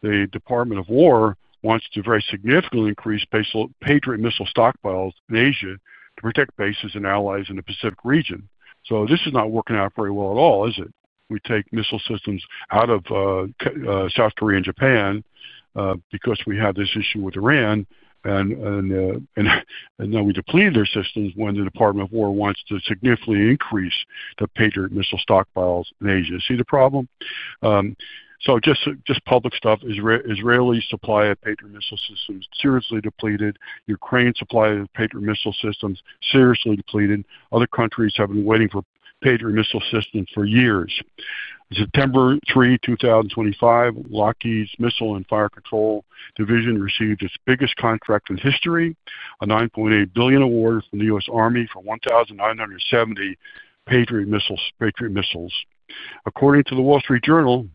The Department of War wants to very significantly increase Patriot missile stockpiles in Asia to protect bases and allies in the Pacific region. This is not working out very well at all, is it? We take missile systems out of South Korea and Japan because we have this issue with Iran. Now we depleted their systems when the Department of War wants to significantly increase the Patriot missile stockpiles in Asia. See the problem? Just public stuff. Israeli supply of Patriot missile systems seriously depleted. Ukraine supply of Patriot missile systems seriously depleted. Other countries have been waiting for Patriot missile systems for years. September 3, 2025, Lockheed's Missile and Fire Control Division received its biggest contract in history, a $9.8 billion award from the U.S. Army for 1,970 Patriot missiles. According to The Wall Street Journal,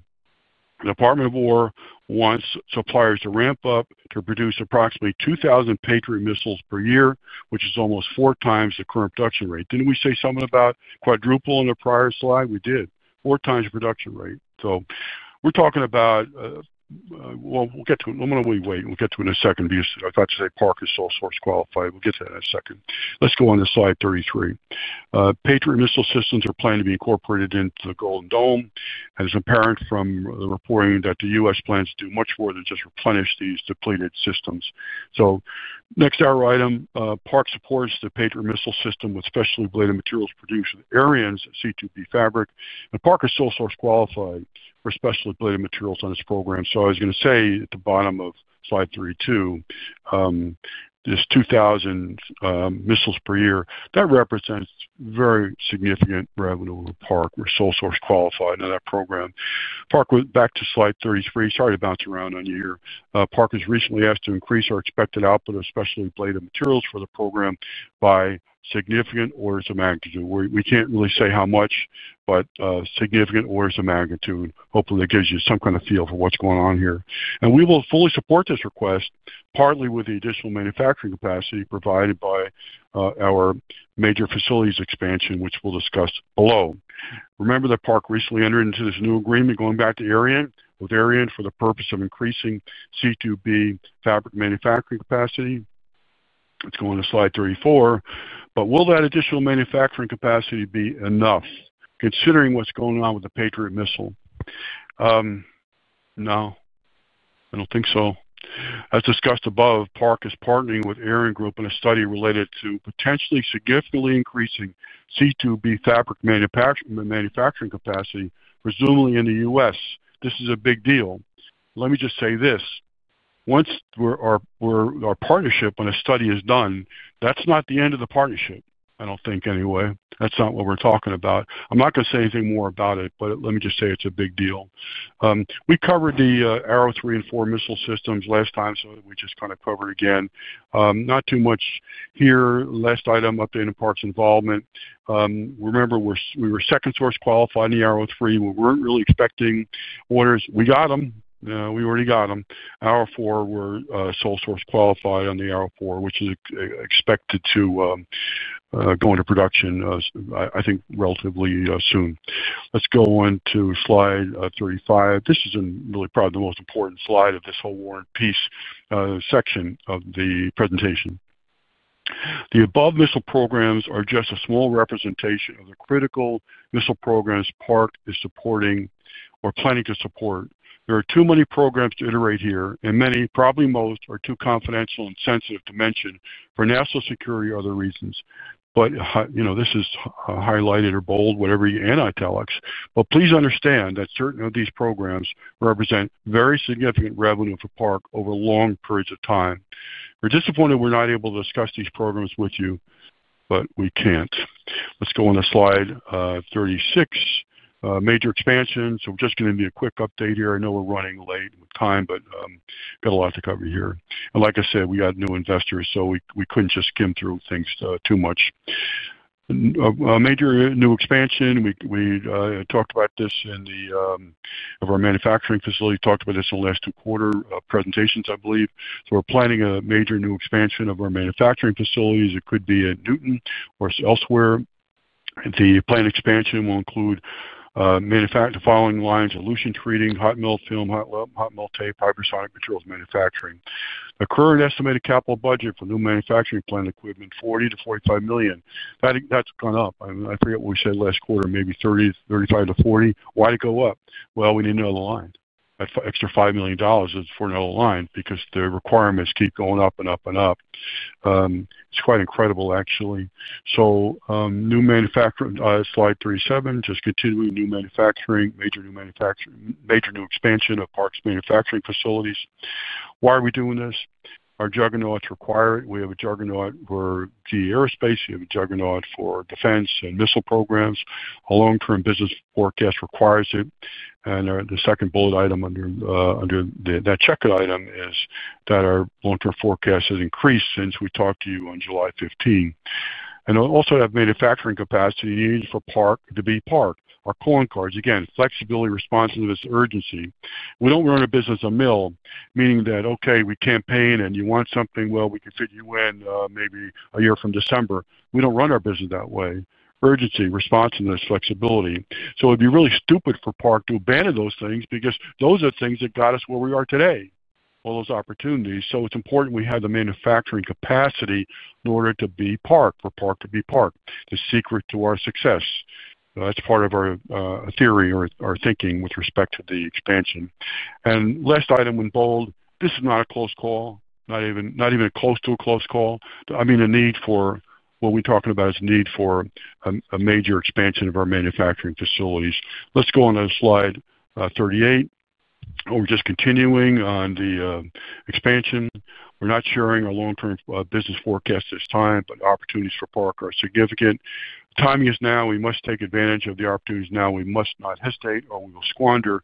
the Department of War wants suppliers to ramp up to produce approximately 2,000 Patriot missiles per year, which is almost four times the current production rate. Didn't we say something about quadruple on the prior slide? We did. Four times the production rate. We're talking about, we'll get to it. I'm going to wait, wait, and we'll get to it in a second. I thought to say Park is sole source qualified. We'll get to that in a second. Let's go on to slide 33. Patriot missile systems are planning to be incorporated into the Golden Dome. It's apparent from the reporting that the U.S. plans to do much more than just replenish these depleted systems. Next hour item, Park supports the Patriot missile system with specially blended materials produced with Raycarb C2B fabric. Park is sole source qualified for specially blended materials on this program. I was going to say at the bottom of slide 32, this 2,000 missiles per year, that represents very significant revenue for Park. We're sole source qualified on that program. Park was back to slide 33. Sorry to bounce around on you here. Park has recently been asked to increase our expected output of specially blended materials for the program by significant orders of magnitude. We can't really say how much, but significant orders of magnitude. Hopefully, that gives you some kind of feel for what's going on here. We will fully support this request, partly with the additional manufacturing capacity provided by our major facilities expansion, which we'll discuss below. Remember that Park recently entered into this new agreement going back to ArianeGroup for the purpose of increasing C2B fabric manufacturing capacity? Let's go on to slide 34. Will that additional manufacturing capacity be enough considering what's going on with the Patriot missile? No, I don't think so. As discussed above, Park is partnering with ArianeGroup on a study related to potentially significantly increasing C2B fabric manufacturing capacity, presumably in the U.S. This is a big deal. Let me just say this. Once our partnership on a study is done, that's not the end of the partnership. I don't think anyway. That's not what we're talking about. I'm not going to say anything more about it, but let me just say it's a big deal. We covered the Arrow 3 and Arrow 4 missile systems last time, so we just kind of covered it again. Not too much here. Last item, updating Park's involvement. Remember, we were second source qualified on the Arrow 3. We weren't really expecting orders. We got them. We already got them. Arrow 4, we're sole source qualified on the Arrow 4, which is expected to go into production, I think, relatively soon. Let's go on to slide 35. This is really probably the most important slide of this whole war and peace section of the presentation. The above missile programs are just a small representation of the critical missile programs Park is supporting or planning to support. There are too many programs to iterate here, and many, probably most, are too confidential and sensitive to mention for national security or other reasons. You know, this is highlighted or bold, whatever you and I tell us. Please understand that certain of these programs represent very significant revenue for Park over long periods of time. We're disappointed we're not able to discuss these programs with you, but we can't. Let's go on to slide 36. Major expansion. We're just going to do a quick update here. I know we're running late with time, but we've got a lot to cover here. Like I said, we had new investors, so we couldn't just skim through things too much. A major new expansion. We talked about this in the, of our manufacturing facility. We talked about this in the last two quarter presentations, I believe. We're planning a major new expansion of our manufacturing facilities. It could be at Newton or elsewhere. The planned expansion will include the following lines: elution treating, hot melt film, hot melt tape, hypersonic materials manufacturing. The current estimated capital budget for new manufacturing plant equipment is $40 million to $45 million. That's gone up. I forget what we said last quarter, maybe $30 million to $35 million to $40 million. Why did it go up? We need another line. Extra $5 million is for another line because the requirements keep going up and up and up. It's quite incredible, actually. New manufacturing, slide 37, just continuing new manufacturing, major new manufacturing, major new expansion of Park's manufacturing facilities. Why are we doing this? Our juggernauts require it. We have a juggernaut for GE Aerospace. We have a juggernaut for defense and missile programs. Our long-term business forecast requires it. The second bullet item under that check it item is that our long-term forecast has increased since we talked to you on July 15. Also, have manufacturing capacity needed for Park to be Park. Our calling cards, again, flexibility, responsiveness, urgency. We don't run a business a mill, meaning that, okay, we campaign and you want something, we can fit you in maybe a year from December. We don't run our business that way. Urgency, responsiveness, flexibility. It'd be really stupid for Park to abandon those things because those are the things that got us where we are today, all those opportunities. It's important we have the manufacturing capacity in order to be Park, for Park to be Park, the secret to our success. That's part of our theory or thinking with respect to the expansion. Last item in bold, this is not a close call, not even close to a close call. I mean, a need for what we're talking about is a need for a major expansion of our manufacturing facilities. Let's go on to slide 38. We're just continuing on the expansion. We're not sharing our long-term business forecast at this time, but opportunities for Park are significant. Timing is now. We must take advantage of the opportunities now. We must not hesitate or we will squander.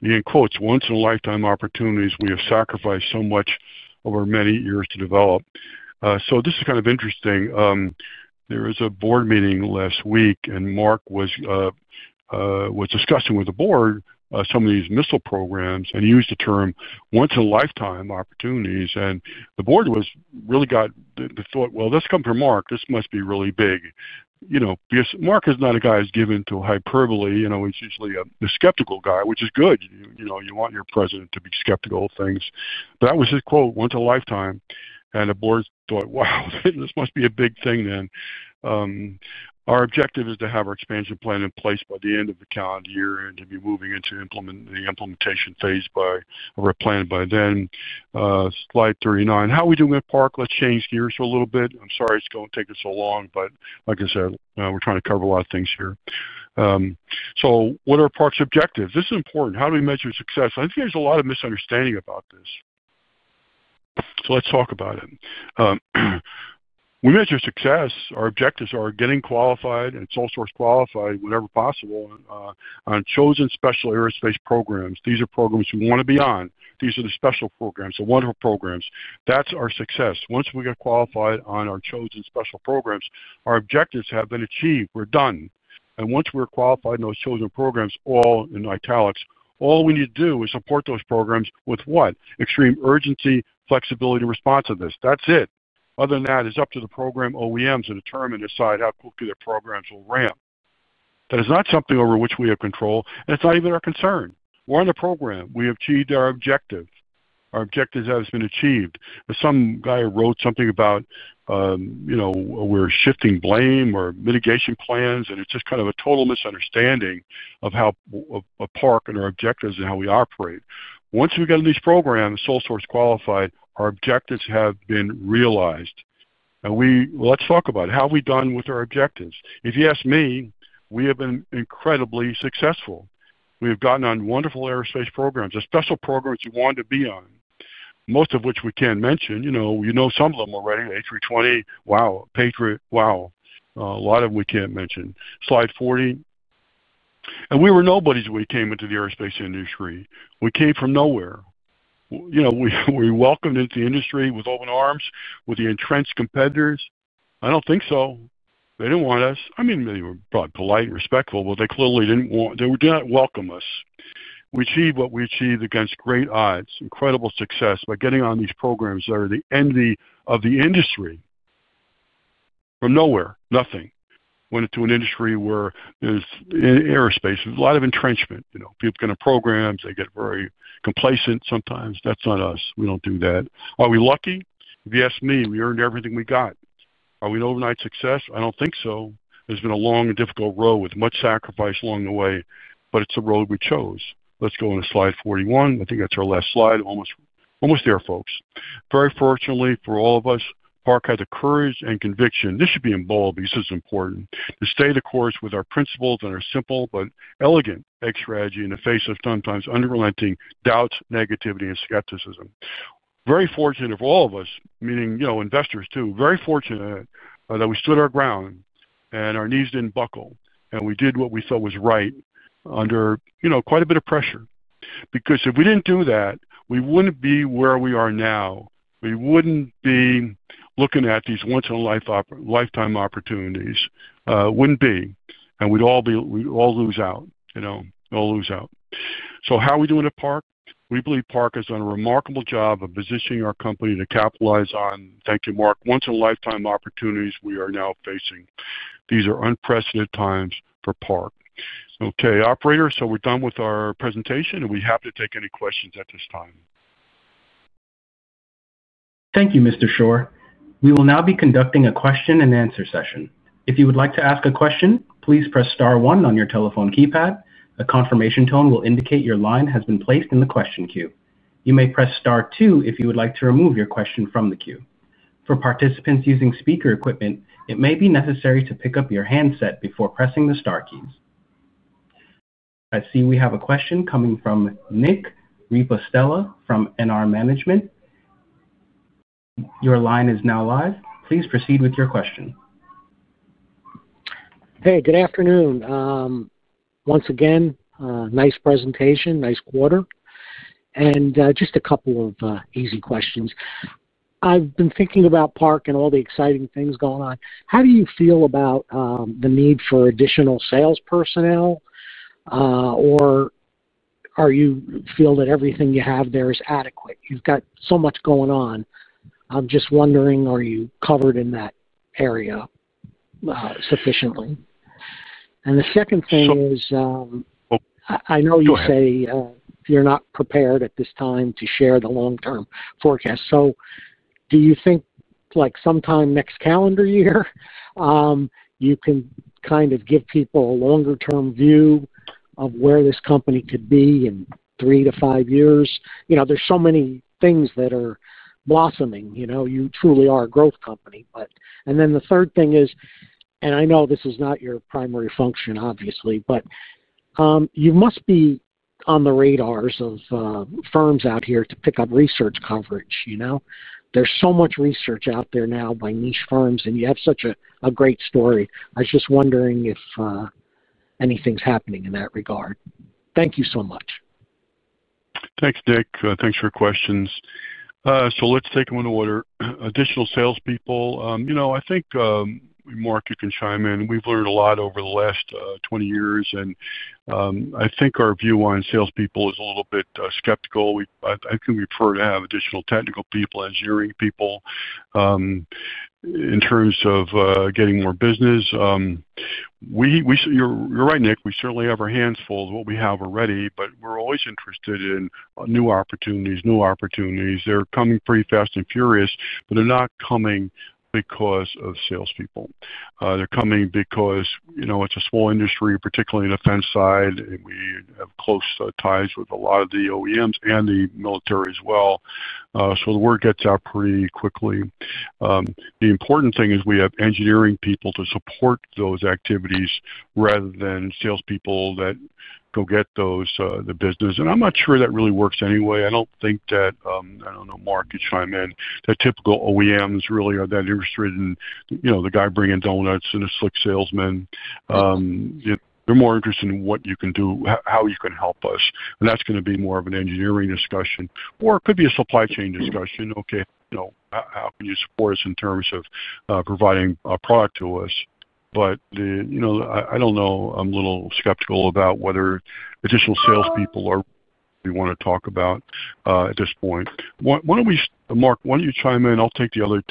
The end quotes, once-in-a-lifetime opportunities, we have sacrificed so much over many years to develop. This is kind of interesting. There was a board meeting last week, and Mark was discussing with the board some of these missile programs, and he used the term once-in-a-lifetime opportunities. The board really got the thought, that's coming from Mark. This must be really big. You know, Mark is not a guy who's given to hyperbole. He's usually a skeptical guy, which is good. You want your President to be skeptical of things. That was his quote, once in a lifetime. The board thought, wow, this must be a big thing then. Our objective is to have our expansion plan in place by the end of the calendar year and to be moving into the implementation phase by or planned by then. Slide 39. How are we doing with Park? Let's change gears for a little bit. I'm sorry it's going to take us so long, but like I said, we're trying to cover a lot of things here. What are Park's objectives? This is important. How do we measure success? I think there's a lot of misunderstanding about this. Let's talk about it. We measure success. Our objectives are getting qualified, and it's sole source qualified whenever possible on chosen special aerospace programs. These are programs we want to be on. These are the special programs, the one-hour programs. That's our success. Once we get qualified on our chosen special programs, our objectives have been achieved. We're done. Once we're qualified in those chosen programs, all in italics, all we need to do is support those programs with what? Extreme urgency, flexibility, and responsiveness. That's it. Other than that, it's up to the program OEMs to determine and decide how quickly their programs will ramp. That is not something over which we have control. It's not even our concern. We're on the program. We have achieved our objectives. Our objectives have been achieved. Some guy wrote something about, you know, we're shifting blame or mitigation plans, and it's just kind of a total misunderstanding of how Park and our objectives and how we operate. Once we get in these programs, sole source qualified, our objectives have been realized. Let's talk about it. How are we done with our objectives? If you ask me, we have been incredibly successful. We have gotten on wonderful aerospace programs, the special programs you wanted to be on, most of which we can't mention. You know, you know some of them already. A320, wow. Patriot, wow. A lot of them we can't mention. Slide 40. We were nobodies when we came into the aerospace industry. We came from nowhere. We were welcomed into the industry with open arms, with the entrenched competitors. I don't think so. They didn't want us. I mean, they were probably polite and respectful, but they clearly didn't want us. They did not welcome us. We achieved what we achieved against great odds, incredible success by getting on these programs that are the envy of the industry. From nowhere, nothing. Went into an industry where there's aerospace, a lot of entrenchment. People can have programs. They get very complacent sometimes. That's not us. We don't do that. Are we lucky? If you ask me, we earned everything we got. Are we an overnight success? I don't think so. It's been a long and difficult road with much sacrifice along the way, but it's a road we chose. Let's go on to slide 41. I think that's our last slide. Almost there, folks. Very fortunately for all of us, Park had the courage and conviction. This should be in bold because this is important. To stay the course with our principles that are simple but elegant, egg strategy in the face of sometimes unrelenting doubts, negativity, and skepticism. Very fortunate of all of us, meaning, you know, investors too, very fortunate that we stood our ground and our knees didn't buckle and we did what we saw was right under, you know, quite a bit of pressure. If we didn't do that, we wouldn't be where we are now. We wouldn't be looking at these once-in-a-lifetime opportunities. We'd all lose out. You know, we'd all lose out. How are we doing at Park? We believe Park has done a remarkable job of positioning our company to capitalize on, thank you, Mark, once-in-a-lifetime opportunities we are now facing. These are unprecedented times for Park. Okay, operator, we're done with our presentation, and we're happy to take any questions at this time. Thank you, Mr. Shore. We will now be conducting a question-and-answer session. If you would like to ask a question, please press star one on your telephone keypad. A confirmation tone will indicate your line has been placed in the question queue. You may press star two if you would like to remove your question from the queue. For participants using speaker equipment, it may be necessary to pick up your handset before pressing the star keys. I see we have a question coming from Nick Ripostella from NR Management. Your line is now live. Please proceed with your question. Hey, good afternoon. Once again, nice presentation, nice quarter. Just a couple of easy questions. I've been thinking about Park and all the exciting things going on. How do you feel about the need for additional sales personnel, or do you feel that everything you have there is adequate? You've got so much going on. I'm just wondering, are you covered in that area sufficiently? The second thing is, I know you say you're not prepared at this time to share the long-term forecast. Do you think like sometime next calendar year, you can kind of give people a longer-term view of where this company could be in three to five years? There are so many things that are blossoming. You truly are a growth company. The third thing is, and I know this is not your primary function, obviously, but you must be on the radars of firms out here to pick up research coverage. There is so much research out there now by niche firms, and you have such a great story. I was just wondering if anything's happening in that regard. Thank you so much. Thanks, Nick. Thanks for your questions. Let's take them under the water. Additional salespeople. I think, Mark, you can chime in. We've learned a lot over the last 20 years, and I think our view on salespeople is a little bit skeptical. We prefer to have additional technical people, engineering people in terms of getting more business. You're right, Nick. We certainly have our hands full with what we have already, but we're always interested in new opportunities. They're coming pretty fast and furious, but they're not coming because of salespeople. They're coming because it's a small industry, particularly in the defense side. We have close ties with a lot of the OEMs and the military as well. The word gets out pretty quickly. The important thing is we have engineering people to support those activities rather than salespeople that go get the business. I'm not sure that really works anyway. I don't think that, I don't know, Mark, you chime in, that typical OEMs really are that interested in the guy bringing donuts and a slick salesman. They're more interested in what you can do, how you can help us. That's going to be more of an engineering discussion. It could be a supply chain discussion. How can you support us in terms of providing a product to us? I'm a little skeptical about whether additional salespeople are what we want to talk about at this point. Mark, why don't you chime in if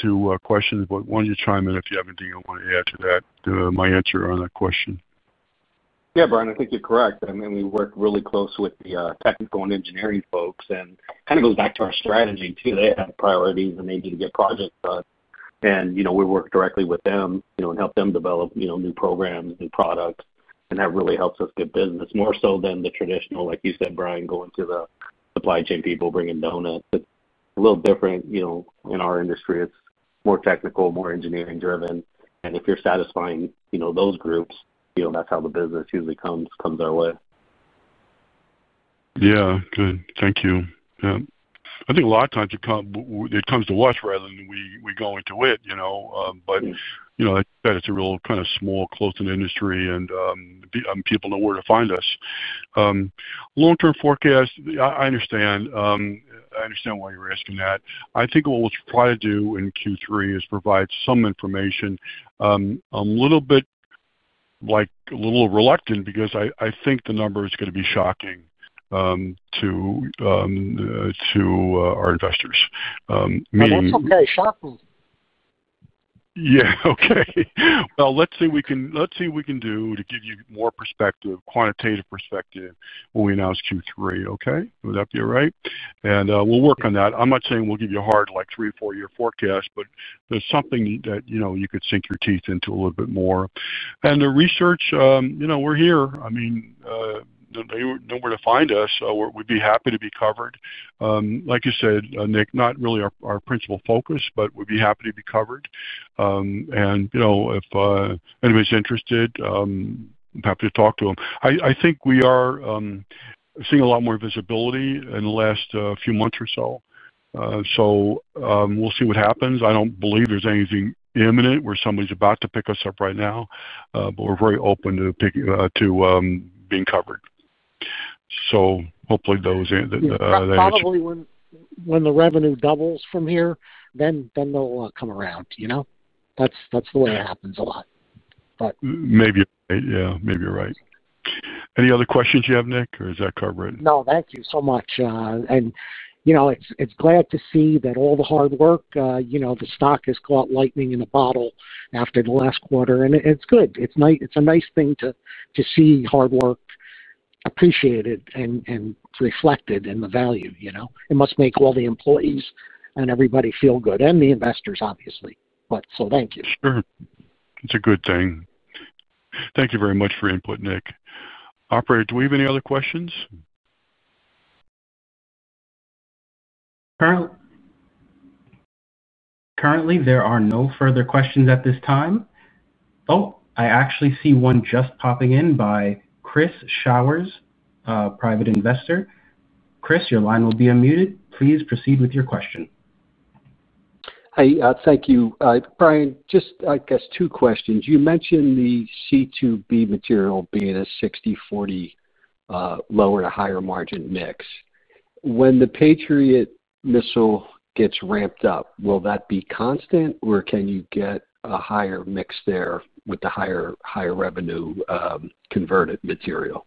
you have anything you want to add to my answer on that question? I'll take the other two questions. Yeah, Brian, I think you're correct. I mean, we work really close with the technical and engineering folks, and it kind of goes back to our strategy too. They have priorities and they need to get projects done. We work directly with them and help them develop new programs, new products, and that really helps us get business more so than the traditional, like you said, Brian, going to the supply chain people bringing donuts. It's a little different in our industry. It's more technical, more engineering-driven. If you're satisfying those groups, that's how the business usually comes our way. Yeah, good. Thank you. I think a lot of times it comes to us rather than we go into it, you know, but it's a real kind of small, close-knit industry, and people know where to find us. Long-term forecast, I understand. I understand why you're asking that. I think what we'll try to do in Q3 is provide some information. I'm a little reluctant because I think the number is going to be shocking to our investors. What's something that is shocking? Yeah, okay. Let's see what we can do to give you more perspective, quantitative perspective, when we announce Q3, okay? Would that be all right? We'll work on that. I'm not saying we'll give you a hard like three or four-year forecast, but there's something that you know, you could sink your teeth into a little bit more. The research, you know, we're here. I mean, they know where to find us. We'd be happy to be covered. Like you said, Nick, not really our principal focus, but we'd be happy to be covered. You know, if anybody's interested, I'm happy to talk to them. I think we are seeing a lot more visibility in the last few months or so. We'll see what happens. I don't believe there's anything imminent where somebody's about to pick us up right now, but we're very open to being covered. Hopefully those are the. Yeah, probably when the revenue doubles from here, they'll come around. You know, that's the way it happens a lot. Maybe you're. Yeah, maybe you're right. Any other questions you have, Nick, or is that covered? Thank you so much. It's glad to see that all the hard work, you know, the stock has caught lightning in a bottle after the last quarter. It's good. It's a nice thing to see hard work appreciated and reflected in the value. It must make all the employees and everybody feel good and the investors, obviously. Thank you. Sure. It's a good thing. Thank you very much for your input, Nick. Operator, do we have any other questions? Currently, there are no further questions at this time. Oh, I actually see one just popping in by Chris Byrnes, a private investor. Chris, your line will be unmuted. Please proceed with your question. Hey, thank you. Brian, just I guess two questions. You mentioned the C2B material being a 60/40 lower to higher margin mix. When the Patriot missile gets ramped up, will that be constant, or can you get a higher mix there with the higher revenue converted material?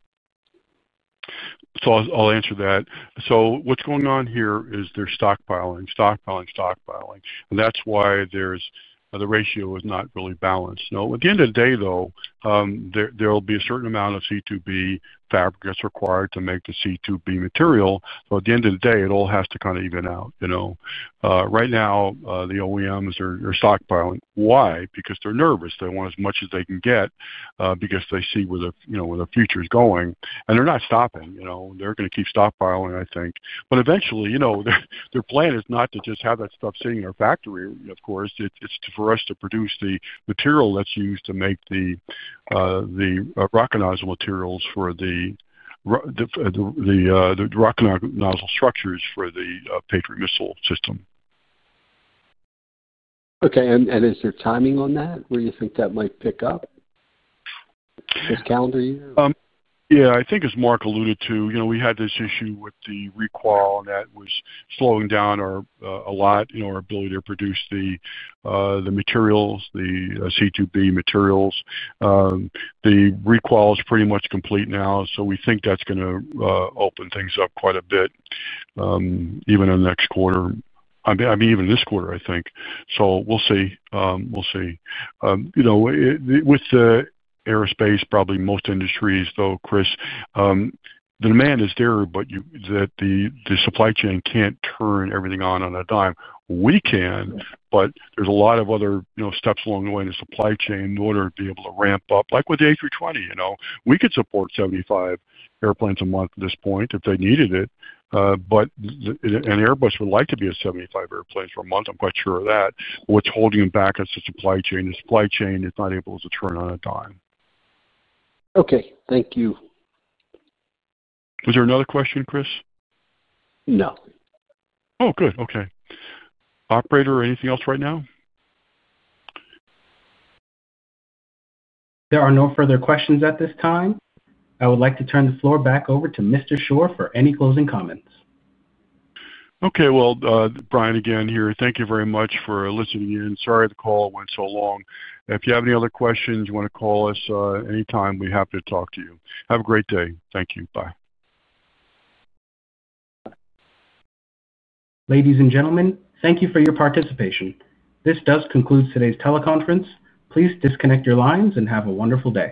I'll answer that. What's going on here is there's stockpiling, stockpiling, stockpiling. That's why the ratio is not really balanced. At the end of the day, though, there'll be a certain amount of Raycarb C2B fabric that's required to make the C2B material. At the end of the day, it all has to kind of even out. Right now, the OEMs are stockpiling. Why? Because they're nervous. They want as much as they can get because they see where the future is going. They're not stopping. They're going to keep stockpiling, I think. Eventually, their plan is not to just have that stuff sitting in our factory, of course. It's for us to produce the material that's used to make the rocket nozzle materials for the rocket nozzle structures for the Patriot missile system. Is there timing on that where you think that might pick up this calendar year? Yeah, I think as Mark alluded to, we had this issue with the requal, and that was slowing down a lot our ability to produce the materials, the C2B materials. The requal is pretty much complete now. I think that's going to open things up quite a bit, even in the next quarter. I mean, even this quarter, I think. We'll see. With the aerospace, probably most industries, though, Chris, the demand is there, but the supply chain can't turn everything on a dime. We can, but there's a lot of other steps along the way in the supply chain in order to be able to ramp up. Like with the A320, we could support 75 airplanes a month at this point if they needed it. Airbus would like to be at 75 airplanes per month. I'm quite sure of that. What's holding them back is the supply chain. The supply chain is not able to turn on a dime. Okay, thank you. Was there another question, Chris? No. Oh, good. Okay. Operator, anything else right now? There are no further questions at this time. I would like to turn the floor back over to Mr. Shore for any closing comments. Okay. Brian again here, thank you very much for listening in. Sorry the call went so long. If you have any other questions, you want to call us anytime, we're happy to talk to you. Have a great day. Thank you. Bye. Ladies and gentlemen, thank you for your participation. This does conclude today's teleconference. Please disconnect your lines and have a wonderful day.